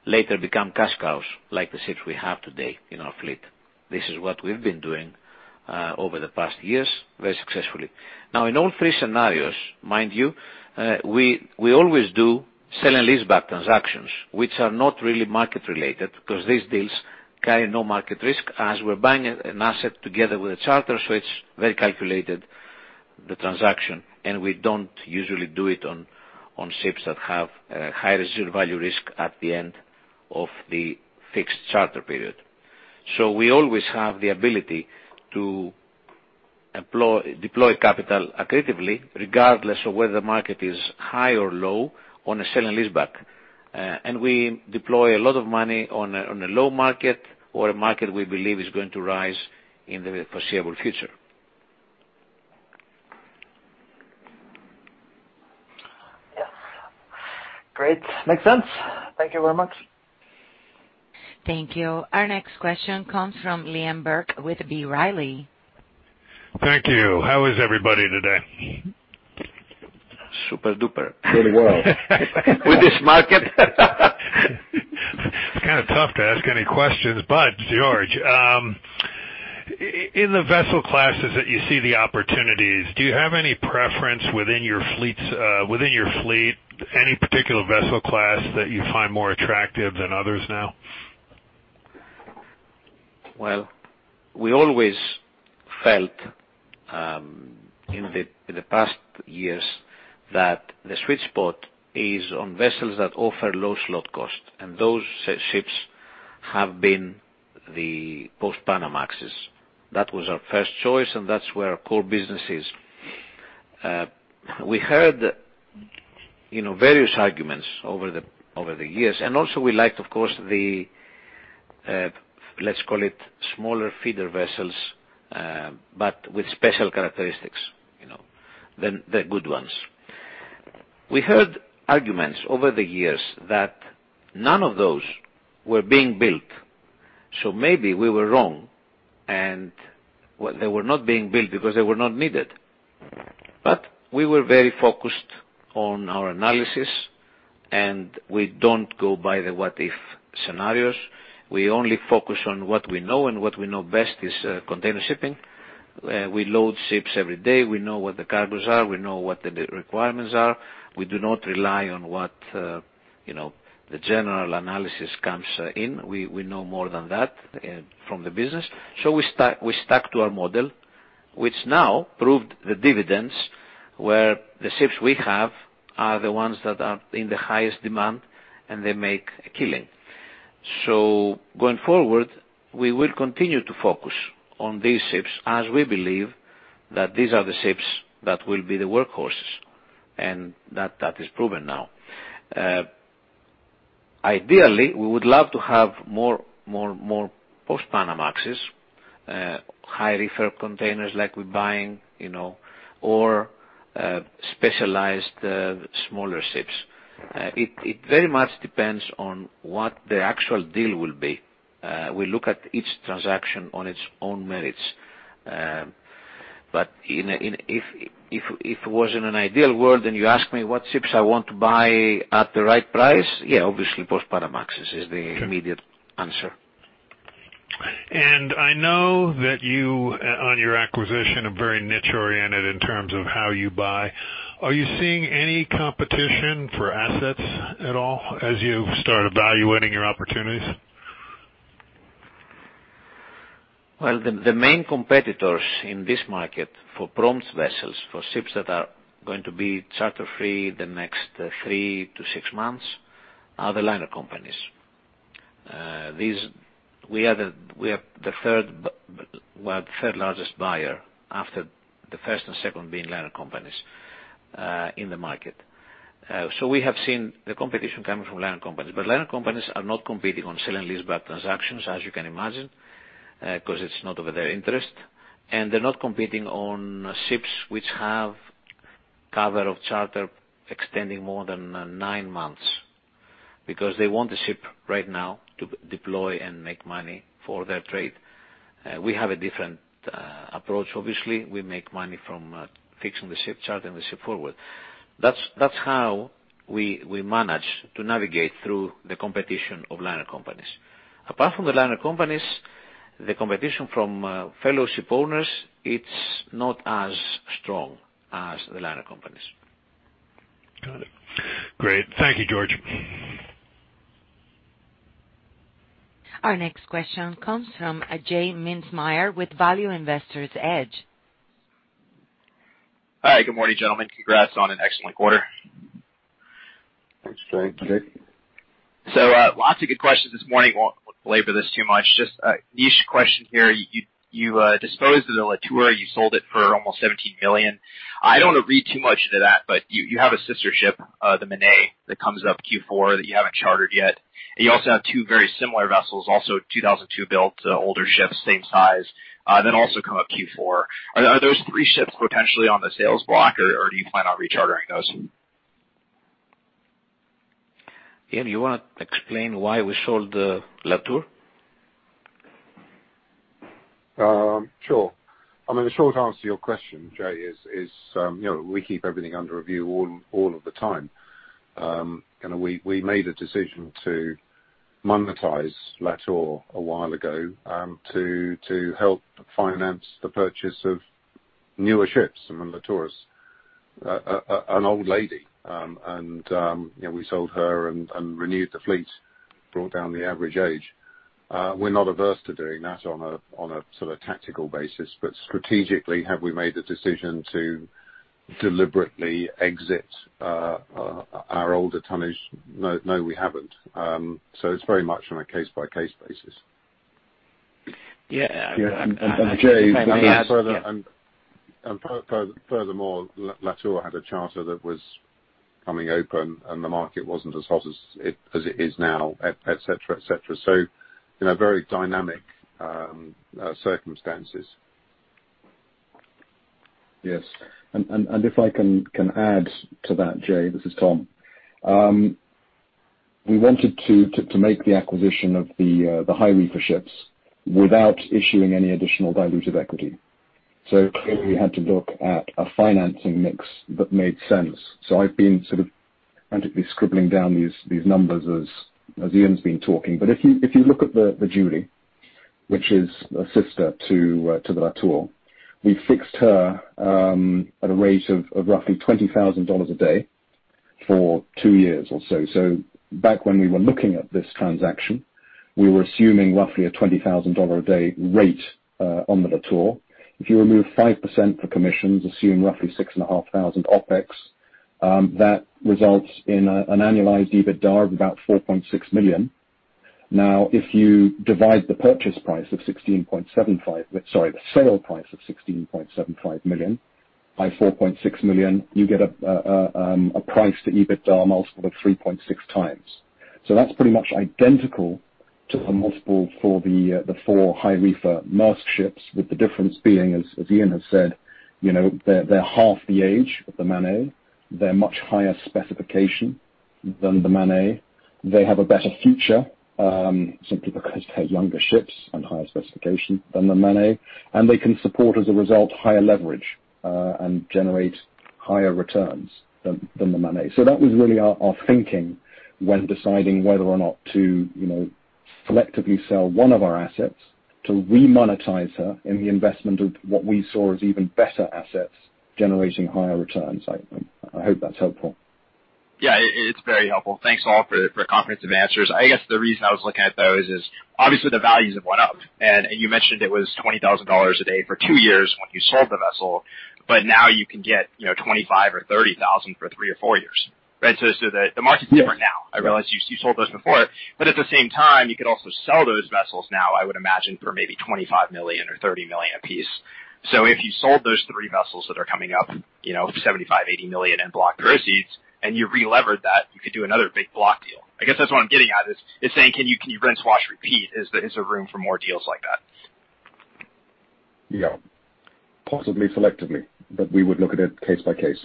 later become cash cows, like the ships we have today in our fleet. This is what we've been doing over the past years very successfully. In all three scenarios, mind you, we always do sell and lease back transactions, which are not really market related because these deals carry no market risk as we're buying an asset together with a charter, so it's very calculated, the transaction, and we don't usually do it on ships that have a high residual value risk at the end of the fixed charter period. We always have the ability to deploy capital accretively, regardless of whether the market is high or low on a sell and lease back. We deploy a lot of money on a low market or a market we believe is going to rise in the foreseeable future. Yes. Great. Make sense. Thank you very much. Thank you. Our next question comes from Liam Burke with B. Riley. Thank you. How is everybody today? Super-duper. Really well. With this market. It's kind of tough to ask any questions. George, in the vessel classes that you see the opportunities, do you have any preference within your fleet, any particular vessel class that you find more attractive than others now? We always felt, in the past years that the sweet spot is on vessels that offer low slot cost, and those ships have been the post-Panamaxes. That was our first choice, and that's where our core business is. We heard various arguments over the years, and also we liked, of course, the, let's call it smaller feeder vessels, but with special characteristics. The good ones. We heard arguments over the years that none of those were being built, so maybe we were wrong and they were not being built because they were not needed. We were very focused on our analysis, and we don't go by the what if scenarios. We only focus on what we know, and what we know best is container shipping. We load ships every day. We know what the cargoes are. We know what the requirements are. We do not rely on what the general analysis comes in. We know more than that from the business. We stuck to our model, which now proved the dividends, where the ships we have are the ones that are in the highest demand, and they make a killing. Going forward, we will continue to focus on these ships as we believe that these are the ships that will be the workhorses, and that is proven now. Ideally, we would love to have more post-Panamaxes, high reefer containers like we're buying or specialized smaller ships. It very much depends on what the actual deal will be. We look at each transaction on its own merits. If it was in an ideal world and you ask me what ships I want to buy at the right price, yeah, obviously post-Panamaxes is the immediate answer. I know that you, on your acquisition, are very niche oriented in terms of how you buy, are you seeing any competition for assets at all as you start evaluating your opportunities? Well, the main competitors in this market for prompt vessels, for ships that are going to be charter free the next three to six months, are the liner companies. We are the third largest buyer after the first and seconnd being liner companies in the market. We have seen the competition coming from liner companies. Liner companies are not competing on sell and leaseback transactions, as you can imagine, because it's not of their interest. They're not competing on ships which have cover of charter extending more than nine months because they want the ship right now to deploy and make money for their trade. We have a different approach, obviously. We make money from fixing the ship, chartering the ship forward. That's how we manage to navigate through the competition of liner companies. Apart from the liner companies, the competition from fellow ship owners, it's not as strong as the liner companies. Got it. Great. Thank you, George. Our next question comes from J. Mintzmyer with Value Investor's Edge. Hi, good morning, gentlemen. Congrats on an excellent quarter. Thanks. Thank you. Lots of good questions this morning. Won't labor this too much. Just a niche question here. You disposed of the La Tour, you sold it for almost $17 million. I don't want to read too much into that, but you have a sister ship, the Manet, that comes up Q4 that you haven't chartered yet. You also have two very similar vessels, also 2002 built, older ships, same size, that also come up Q4. Are those three ships potentially on the sales block, or do you plan on rechartering those? Ian, do you want to explain why we sold the La Tour? Sure. The short answer to your question, J, is we keep everything under review all of the time. We made a decision to monetize La Tour a while ago, to help finance the purchase of newer ships. Remember, La Tour is an old lady, and we sold her and renewed the fleet, brought down the average age. We're not averse to doing that on a sort of tactical basis. Strategically, have we made the decision to deliberately exit our older tonnage? No, we haven't. It's very much on a case-by-case basis. Yeah. Furthermore, La Tour had a charter that was coming open, and the market wasn't as hot as it is now, et cetera. Very dynamic circumstances. Yes. If I can add to that, J, this is Tom. We wanted to make the acquisition of the high reefer ships without issuing any additional diluted equity. Clearly, we had to look at a financing mix that made sense. I've been frantically scribbling down these numbers as Ian's been talking. If you look at the GSL Julie, which is a sister to the La Tour, we fixed her at a rate of roughly $20,000 a day for two years or so. Back when we were looking at this transaction, we were assuming roughly a $20,000 a day rate on the La Tour. If you remove 5% for commissions, assume roughly $6,500 OpEx, that results in an annualized EBITDAR of about $4.6 million. Now, if you divide the sale price of $16.75 million by $4.6 million, you get a price to EBITDAR multiple of 3.6x. That's pretty much identical to the multiple for the four high reefer Maersk ships, with the difference being, as Ian has said, they're half the age of the Manet. They're much higher specification than the Manet. They have a better future, simply because they're younger ships and higher specification than the Manet, and they can support, as a result, higher leverage, and generate higher returns than the Manet. That was really our thinking when deciding whether or not to selectively sell one of our assets to remonetize her in the investment of what we saw as even better assets generating higher returns. I hope that's helpful. Yeah, it's very helpful. Thanks, all, for comprehensive answers. I guess the reason I was looking at those is, obviously, the values have went up, and you mentioned it was $20,000 a day for two years when you sold the vessel, but now you can get $25,000 or $30,000 for three or four years. Right? The market's different now. I realize you sold those before. At the same time, you could also sell those vessels now, I would imagine, for maybe $25 million or $30 million a piece. If you sold those three vessels that are coming up, $75 million, $80 million in block proceeds, and you relevered that, you could do another big block deal. I guess that's what I'm getting at, is saying, can you rinse, wash, repeat? Is there room for more deals like that? Yeah. Possibly selectively, but we would look at it case by case.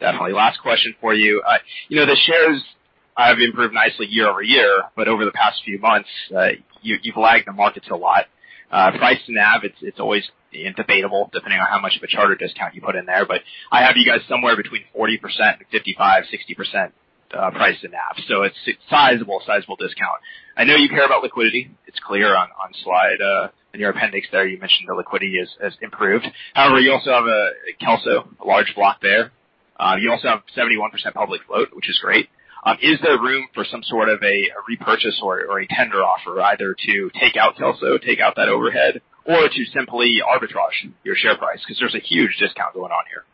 Definitely. Last question for you. The shares have improved nicely year-over-year, but over the past few months, you've lagged the markets a lot. Price to NAV, it's always debatable depending on how much of a charter discount you put in there, but I have you guys somewhere between 40%, 55%, 60% price to NAV. It's a sizable discount. I know you care about liquidity. It's clear on slide, in your appendix there, you mentioned the liquidity has improved. However, you also have Kelso, a large block there. You also have 71% public float, which is great. Is there room for some sort of a repurchase or a tender offer, either to take out Kelso, take out that overhead, or to simply arbitrage your share price? There's a huge discount going on here.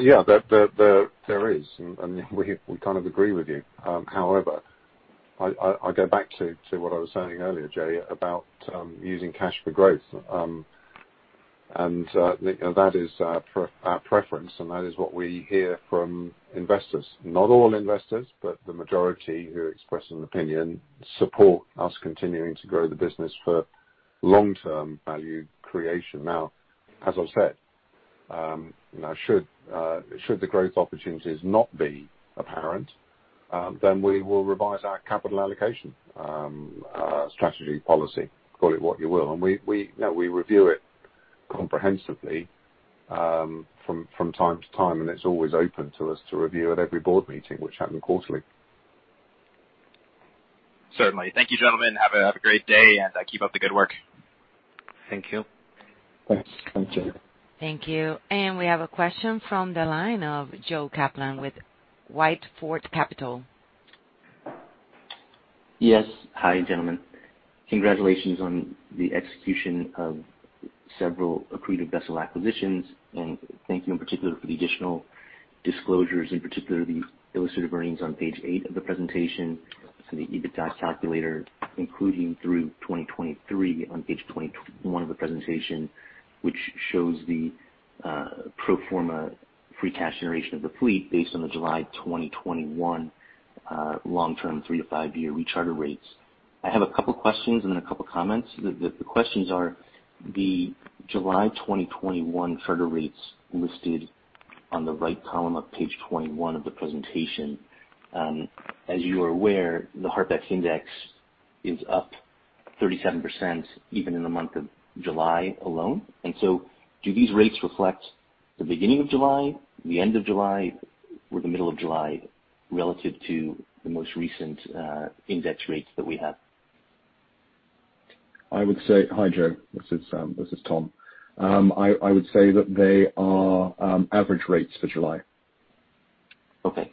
Yeah. There is, and we kind of agree with you. However, I go back to what I was saying earlier, J, about using cash for growth. That is our preference, and that is what we hear from investors. Not all investors, but the majority who express an opinion support us continuing to grow the business for long-term value creation. Now, as I've said, should the growth opportunities not be apparent, then we will revise our capital allocation strategy policy, call it what you will. We review it comprehensively from time to time, and it's always open to us to review at every board meeting, which happen quarterly. Certainly. Thank you, gentlemen. Have a great day, and keep up the good work. Thank you. Thanks. Thank you. Thank you. We have a question from the line of Joe Kaplan with Whitefort Capital. Yes. Hi, gentlemen. Congratulations on the execution of several accretive vessel acquisitions. Thank you in particular for the additional disclosures, in particular the illustrative earnings on page eight of the presentation. The EBITDA calculator, including through 2023 on page 21 of the presentation, which shows the pro forma free cash generation of the fleet based on the July 2021 long-term three to five-year recharter rates. I have a couple questions and then a couple comments. The questions are, the July 2021 charter rates listed on the right column of page 21 of the presentation. As you are aware, the HARPEX Index is up 37% even in the month of July alone. Do these rates reflect the beginning of July, the end of July, or the middle of July relative to the most recent index rates that we have? Hi, Joe. This is Tom. I would say that they are average rates for July. Okay.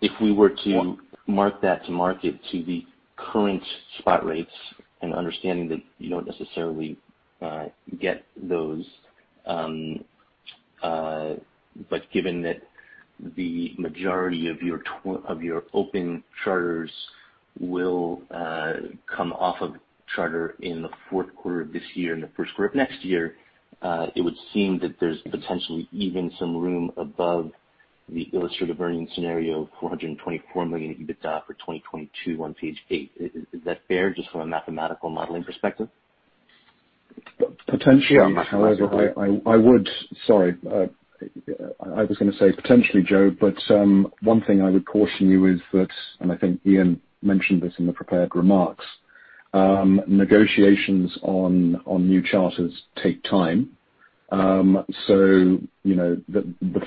If we were to mark that to market to the current spot rates and understanding that you don't necessarily get those, but given that the majority of your open charters will come off of charter in the fourth quarter of this year and the first quarter of next year, it would seem that there's potentially even some room above the illustrative earnings scenario of $424 million in EBITDA for 2022 on page eight. Is that fair, just from a mathematical modeling perspective? Potentially. Sorry. I was going to say potentially, Joe, but one thing I would caution you is that, and I think Ian mentioned this in the prepared remarks, negotiations on new charters take time. The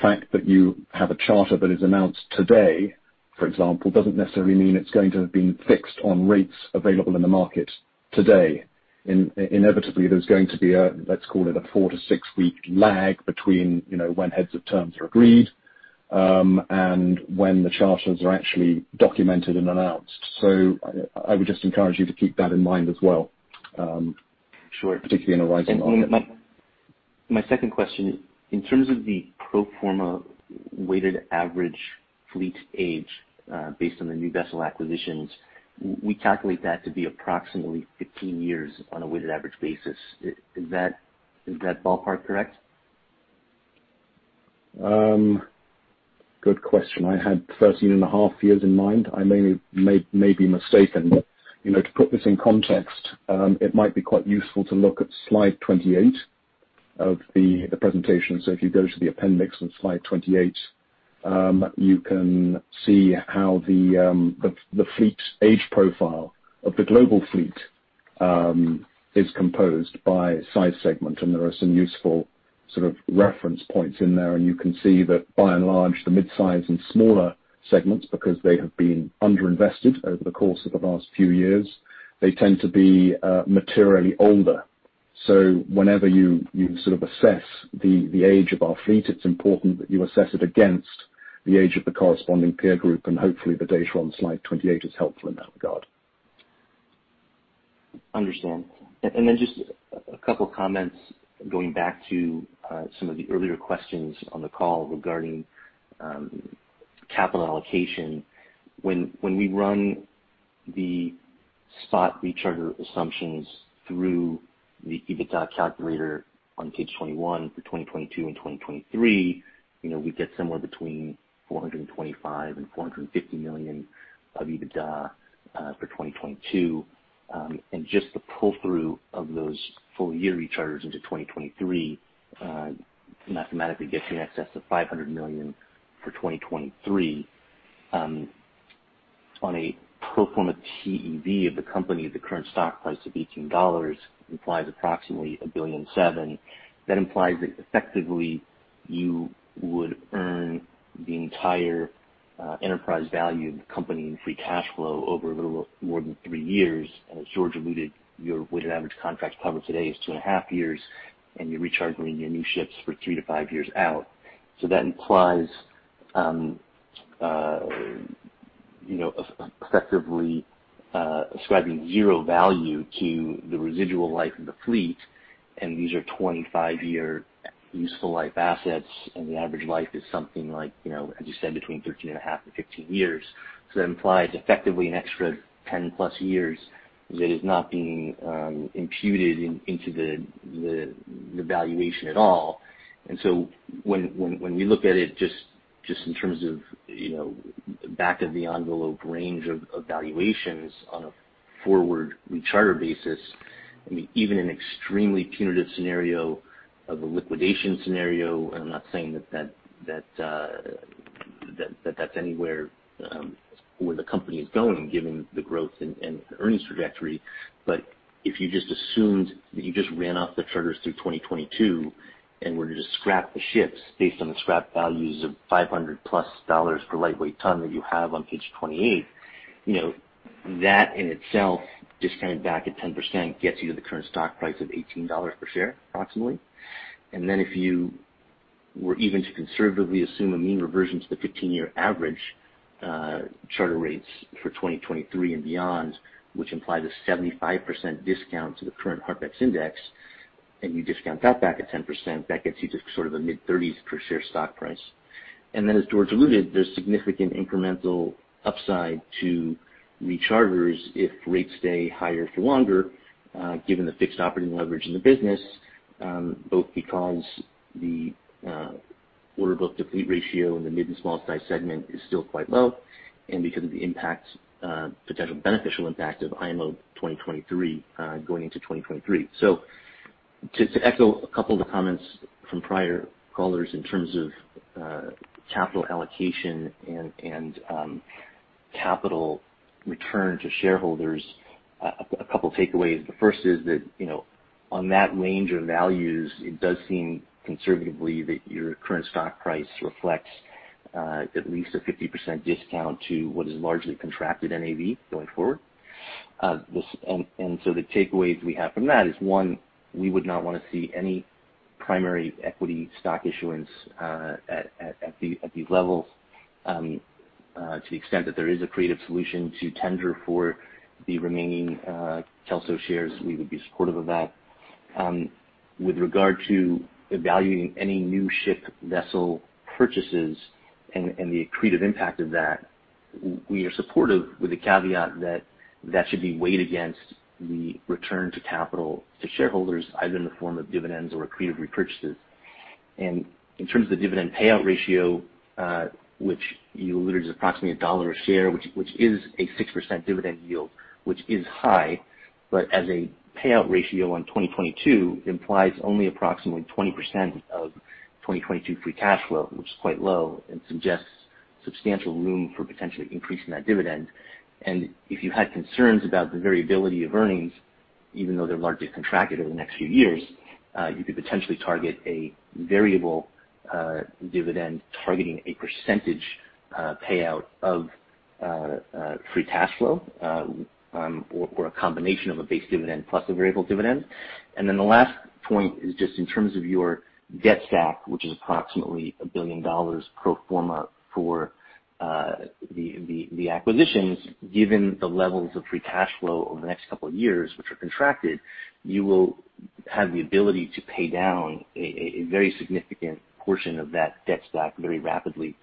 fact that you have a charter that is announced today, for example, doesn't necessarily mean it's going to have been fixed on rates available in the market today. Inevitably, there's going to be a, let's call it, a four to six-week lag between when heads of terms are agreed, and when the charters are actually documented and announced. I would just encourage you to keep that in mind as well. Sure. Particularly in a rising market. My second question, in terms of the pro forma weighted average fleet age, based on the new vessel acquisitions, we calculate that to be approximately 15 years on a weighted average basis. Is that ballpark correct? Good question. I had 13.5 years in mind. I may be mistaken. To put this in context, it might be quite useful to look at slide 28 of the presentation. If you go to the appendix on slide 28, you can see how the fleet's age profile of the global fleet is composed by size segment. There are some useful sort of reference points in there. You can see that by and large, the mid-size and smaller segments, because they have been underinvested over the course of the last few years, they tend to be materially older. Whenever you sort of assess the age of our fleet, it's important that you assess it against the age of the corresponding peer group. Hopefully the data on slide 28 is helpful in that regard. Understand. Just a couple of comments going back to some of the earlier questions on the call regarding capital allocation. When we run the spot recharter assumptions through the EBITDA calculator on page 21 for 2022 and 2023, we get somewhere between $425 million and $450 million of EBITDA for 2022. Just the pull-through of those full-year recharters into 2023, mathematically gets you in excess of $500 million for 2023, on a pro forma TEV of the company at the current stock price of $18 implies approximately $1 billion and $7 billion. That implies that effectively you would earn the entire enterprise value of the company in free cash flow over a little more than three years. As George alluded, your weighted average contracts covered today is 2.5 years, and you're rechartering your new ships for three to five years out. That implies effectively ascribing zero value to the residual life of the fleet, and these are 25 year useful life assets, and the average life is something like, as you said, between 13.5 and 15 years. That implies effectively an extra 10+ years that is not being imputed into the valuation at all. When we look at it just in terms of back of the envelope range of valuations on a forward recharter basis, even an extremely punitive scenario of a liquidation scenario, and I'm not saying that that's anywhere where the company is going given the growth and earnings trajectory, but if you just assumed that you just ran off the charters through 2022 and were to just scrap the ships based on the scrap values of $500+ per lightweight ton that you have on page 28, that in itself, discounted back at 10%, gets you to the current stock price of $18 per share approximately. Then if you were even to conservatively assume a mean reversion to the 15-year average charter rates for 2023 and beyond, which implies a 75% discount to the current Harpex Index, and you discount that back at 10%, that gets you to sort of a mid-$30s per share stock price. Then as George Youroukos alluded, there's significant incremental upside to recharters if rates stay higher for longer given the fixed operating leverage in the business, both because the order book to fleet ratio in the mid and small size segment is still quite low, and because of the potential beneficial impact of IMO 2023 going into 2023. To echo two of the comments from prior callers in terms of capital allocation and capital return to shareholders, two takeaways. The first is that on that range of values, it does seem conservatively that your current stock price reflects at least a 50% discount to what is largely contracted NAV going forward. The takeaways we have from that is one, we would not want to see any primary equity stock issuance at these levels. To the extent that there is an accretive solution to tender for the remaining Kelso shares, we would be supportive of that. With regard to evaluating any new ship vessel purchases and the accretive impact of that, we are supportive with the caveat that that should be weighed against the return to capital to shareholders, either in the form of dividends or accretive repurchases. In terms of the dividend payout ratio, which you alluded is approximately $1 a share, which is a 6% dividend yield, which is high, but as a payout ratio on 2022 implies only approximately 20% of 2022 free cash flow, which is quite low and suggests substantial room for potentially increasing that dividend. If you had concerns about the variability of earnings, even though they're largely contracted over the next few years you could potentially target a variable dividend targeting a percentage payout of free cash flow or a combination of a base dividend plus a variable dividend. The last point is just in terms of your debt stack, which is approximately $1 billion pro forma for the acquisitions, given the levels of free cash flow over the next two years, which are contracted, you will have the ability to pay down a very significant portion of that debt stack very rapidly.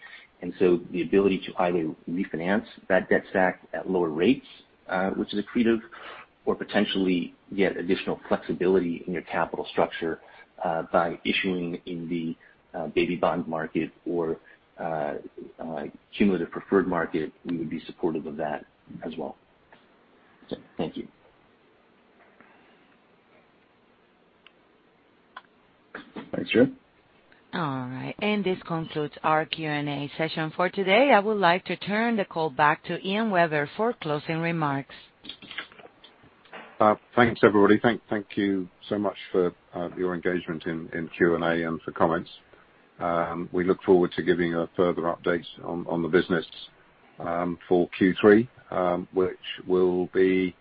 The ability to either refinance that debt stack at lower rates which is accretive or potentially get additional flexibility in your capital structure by issuing in the baby bond market or cumulative preferred market, we would be supportive of that as well. Thank you. Thanks, Joe. All right. This concludes our Q&A session for today. I would like to turn the call back to Ian Webber for closing remarks. Thanks, everybody. Thank you so much for your engagement in Q&A and for comments. We look forward to giving a further update on the business for Q3 which will be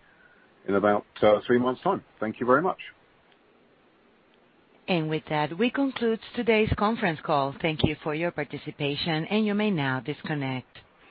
in about three months' time. Thank you very much. With that, we conclude today's conference call. Thank you for your participation, and you may now disconnect.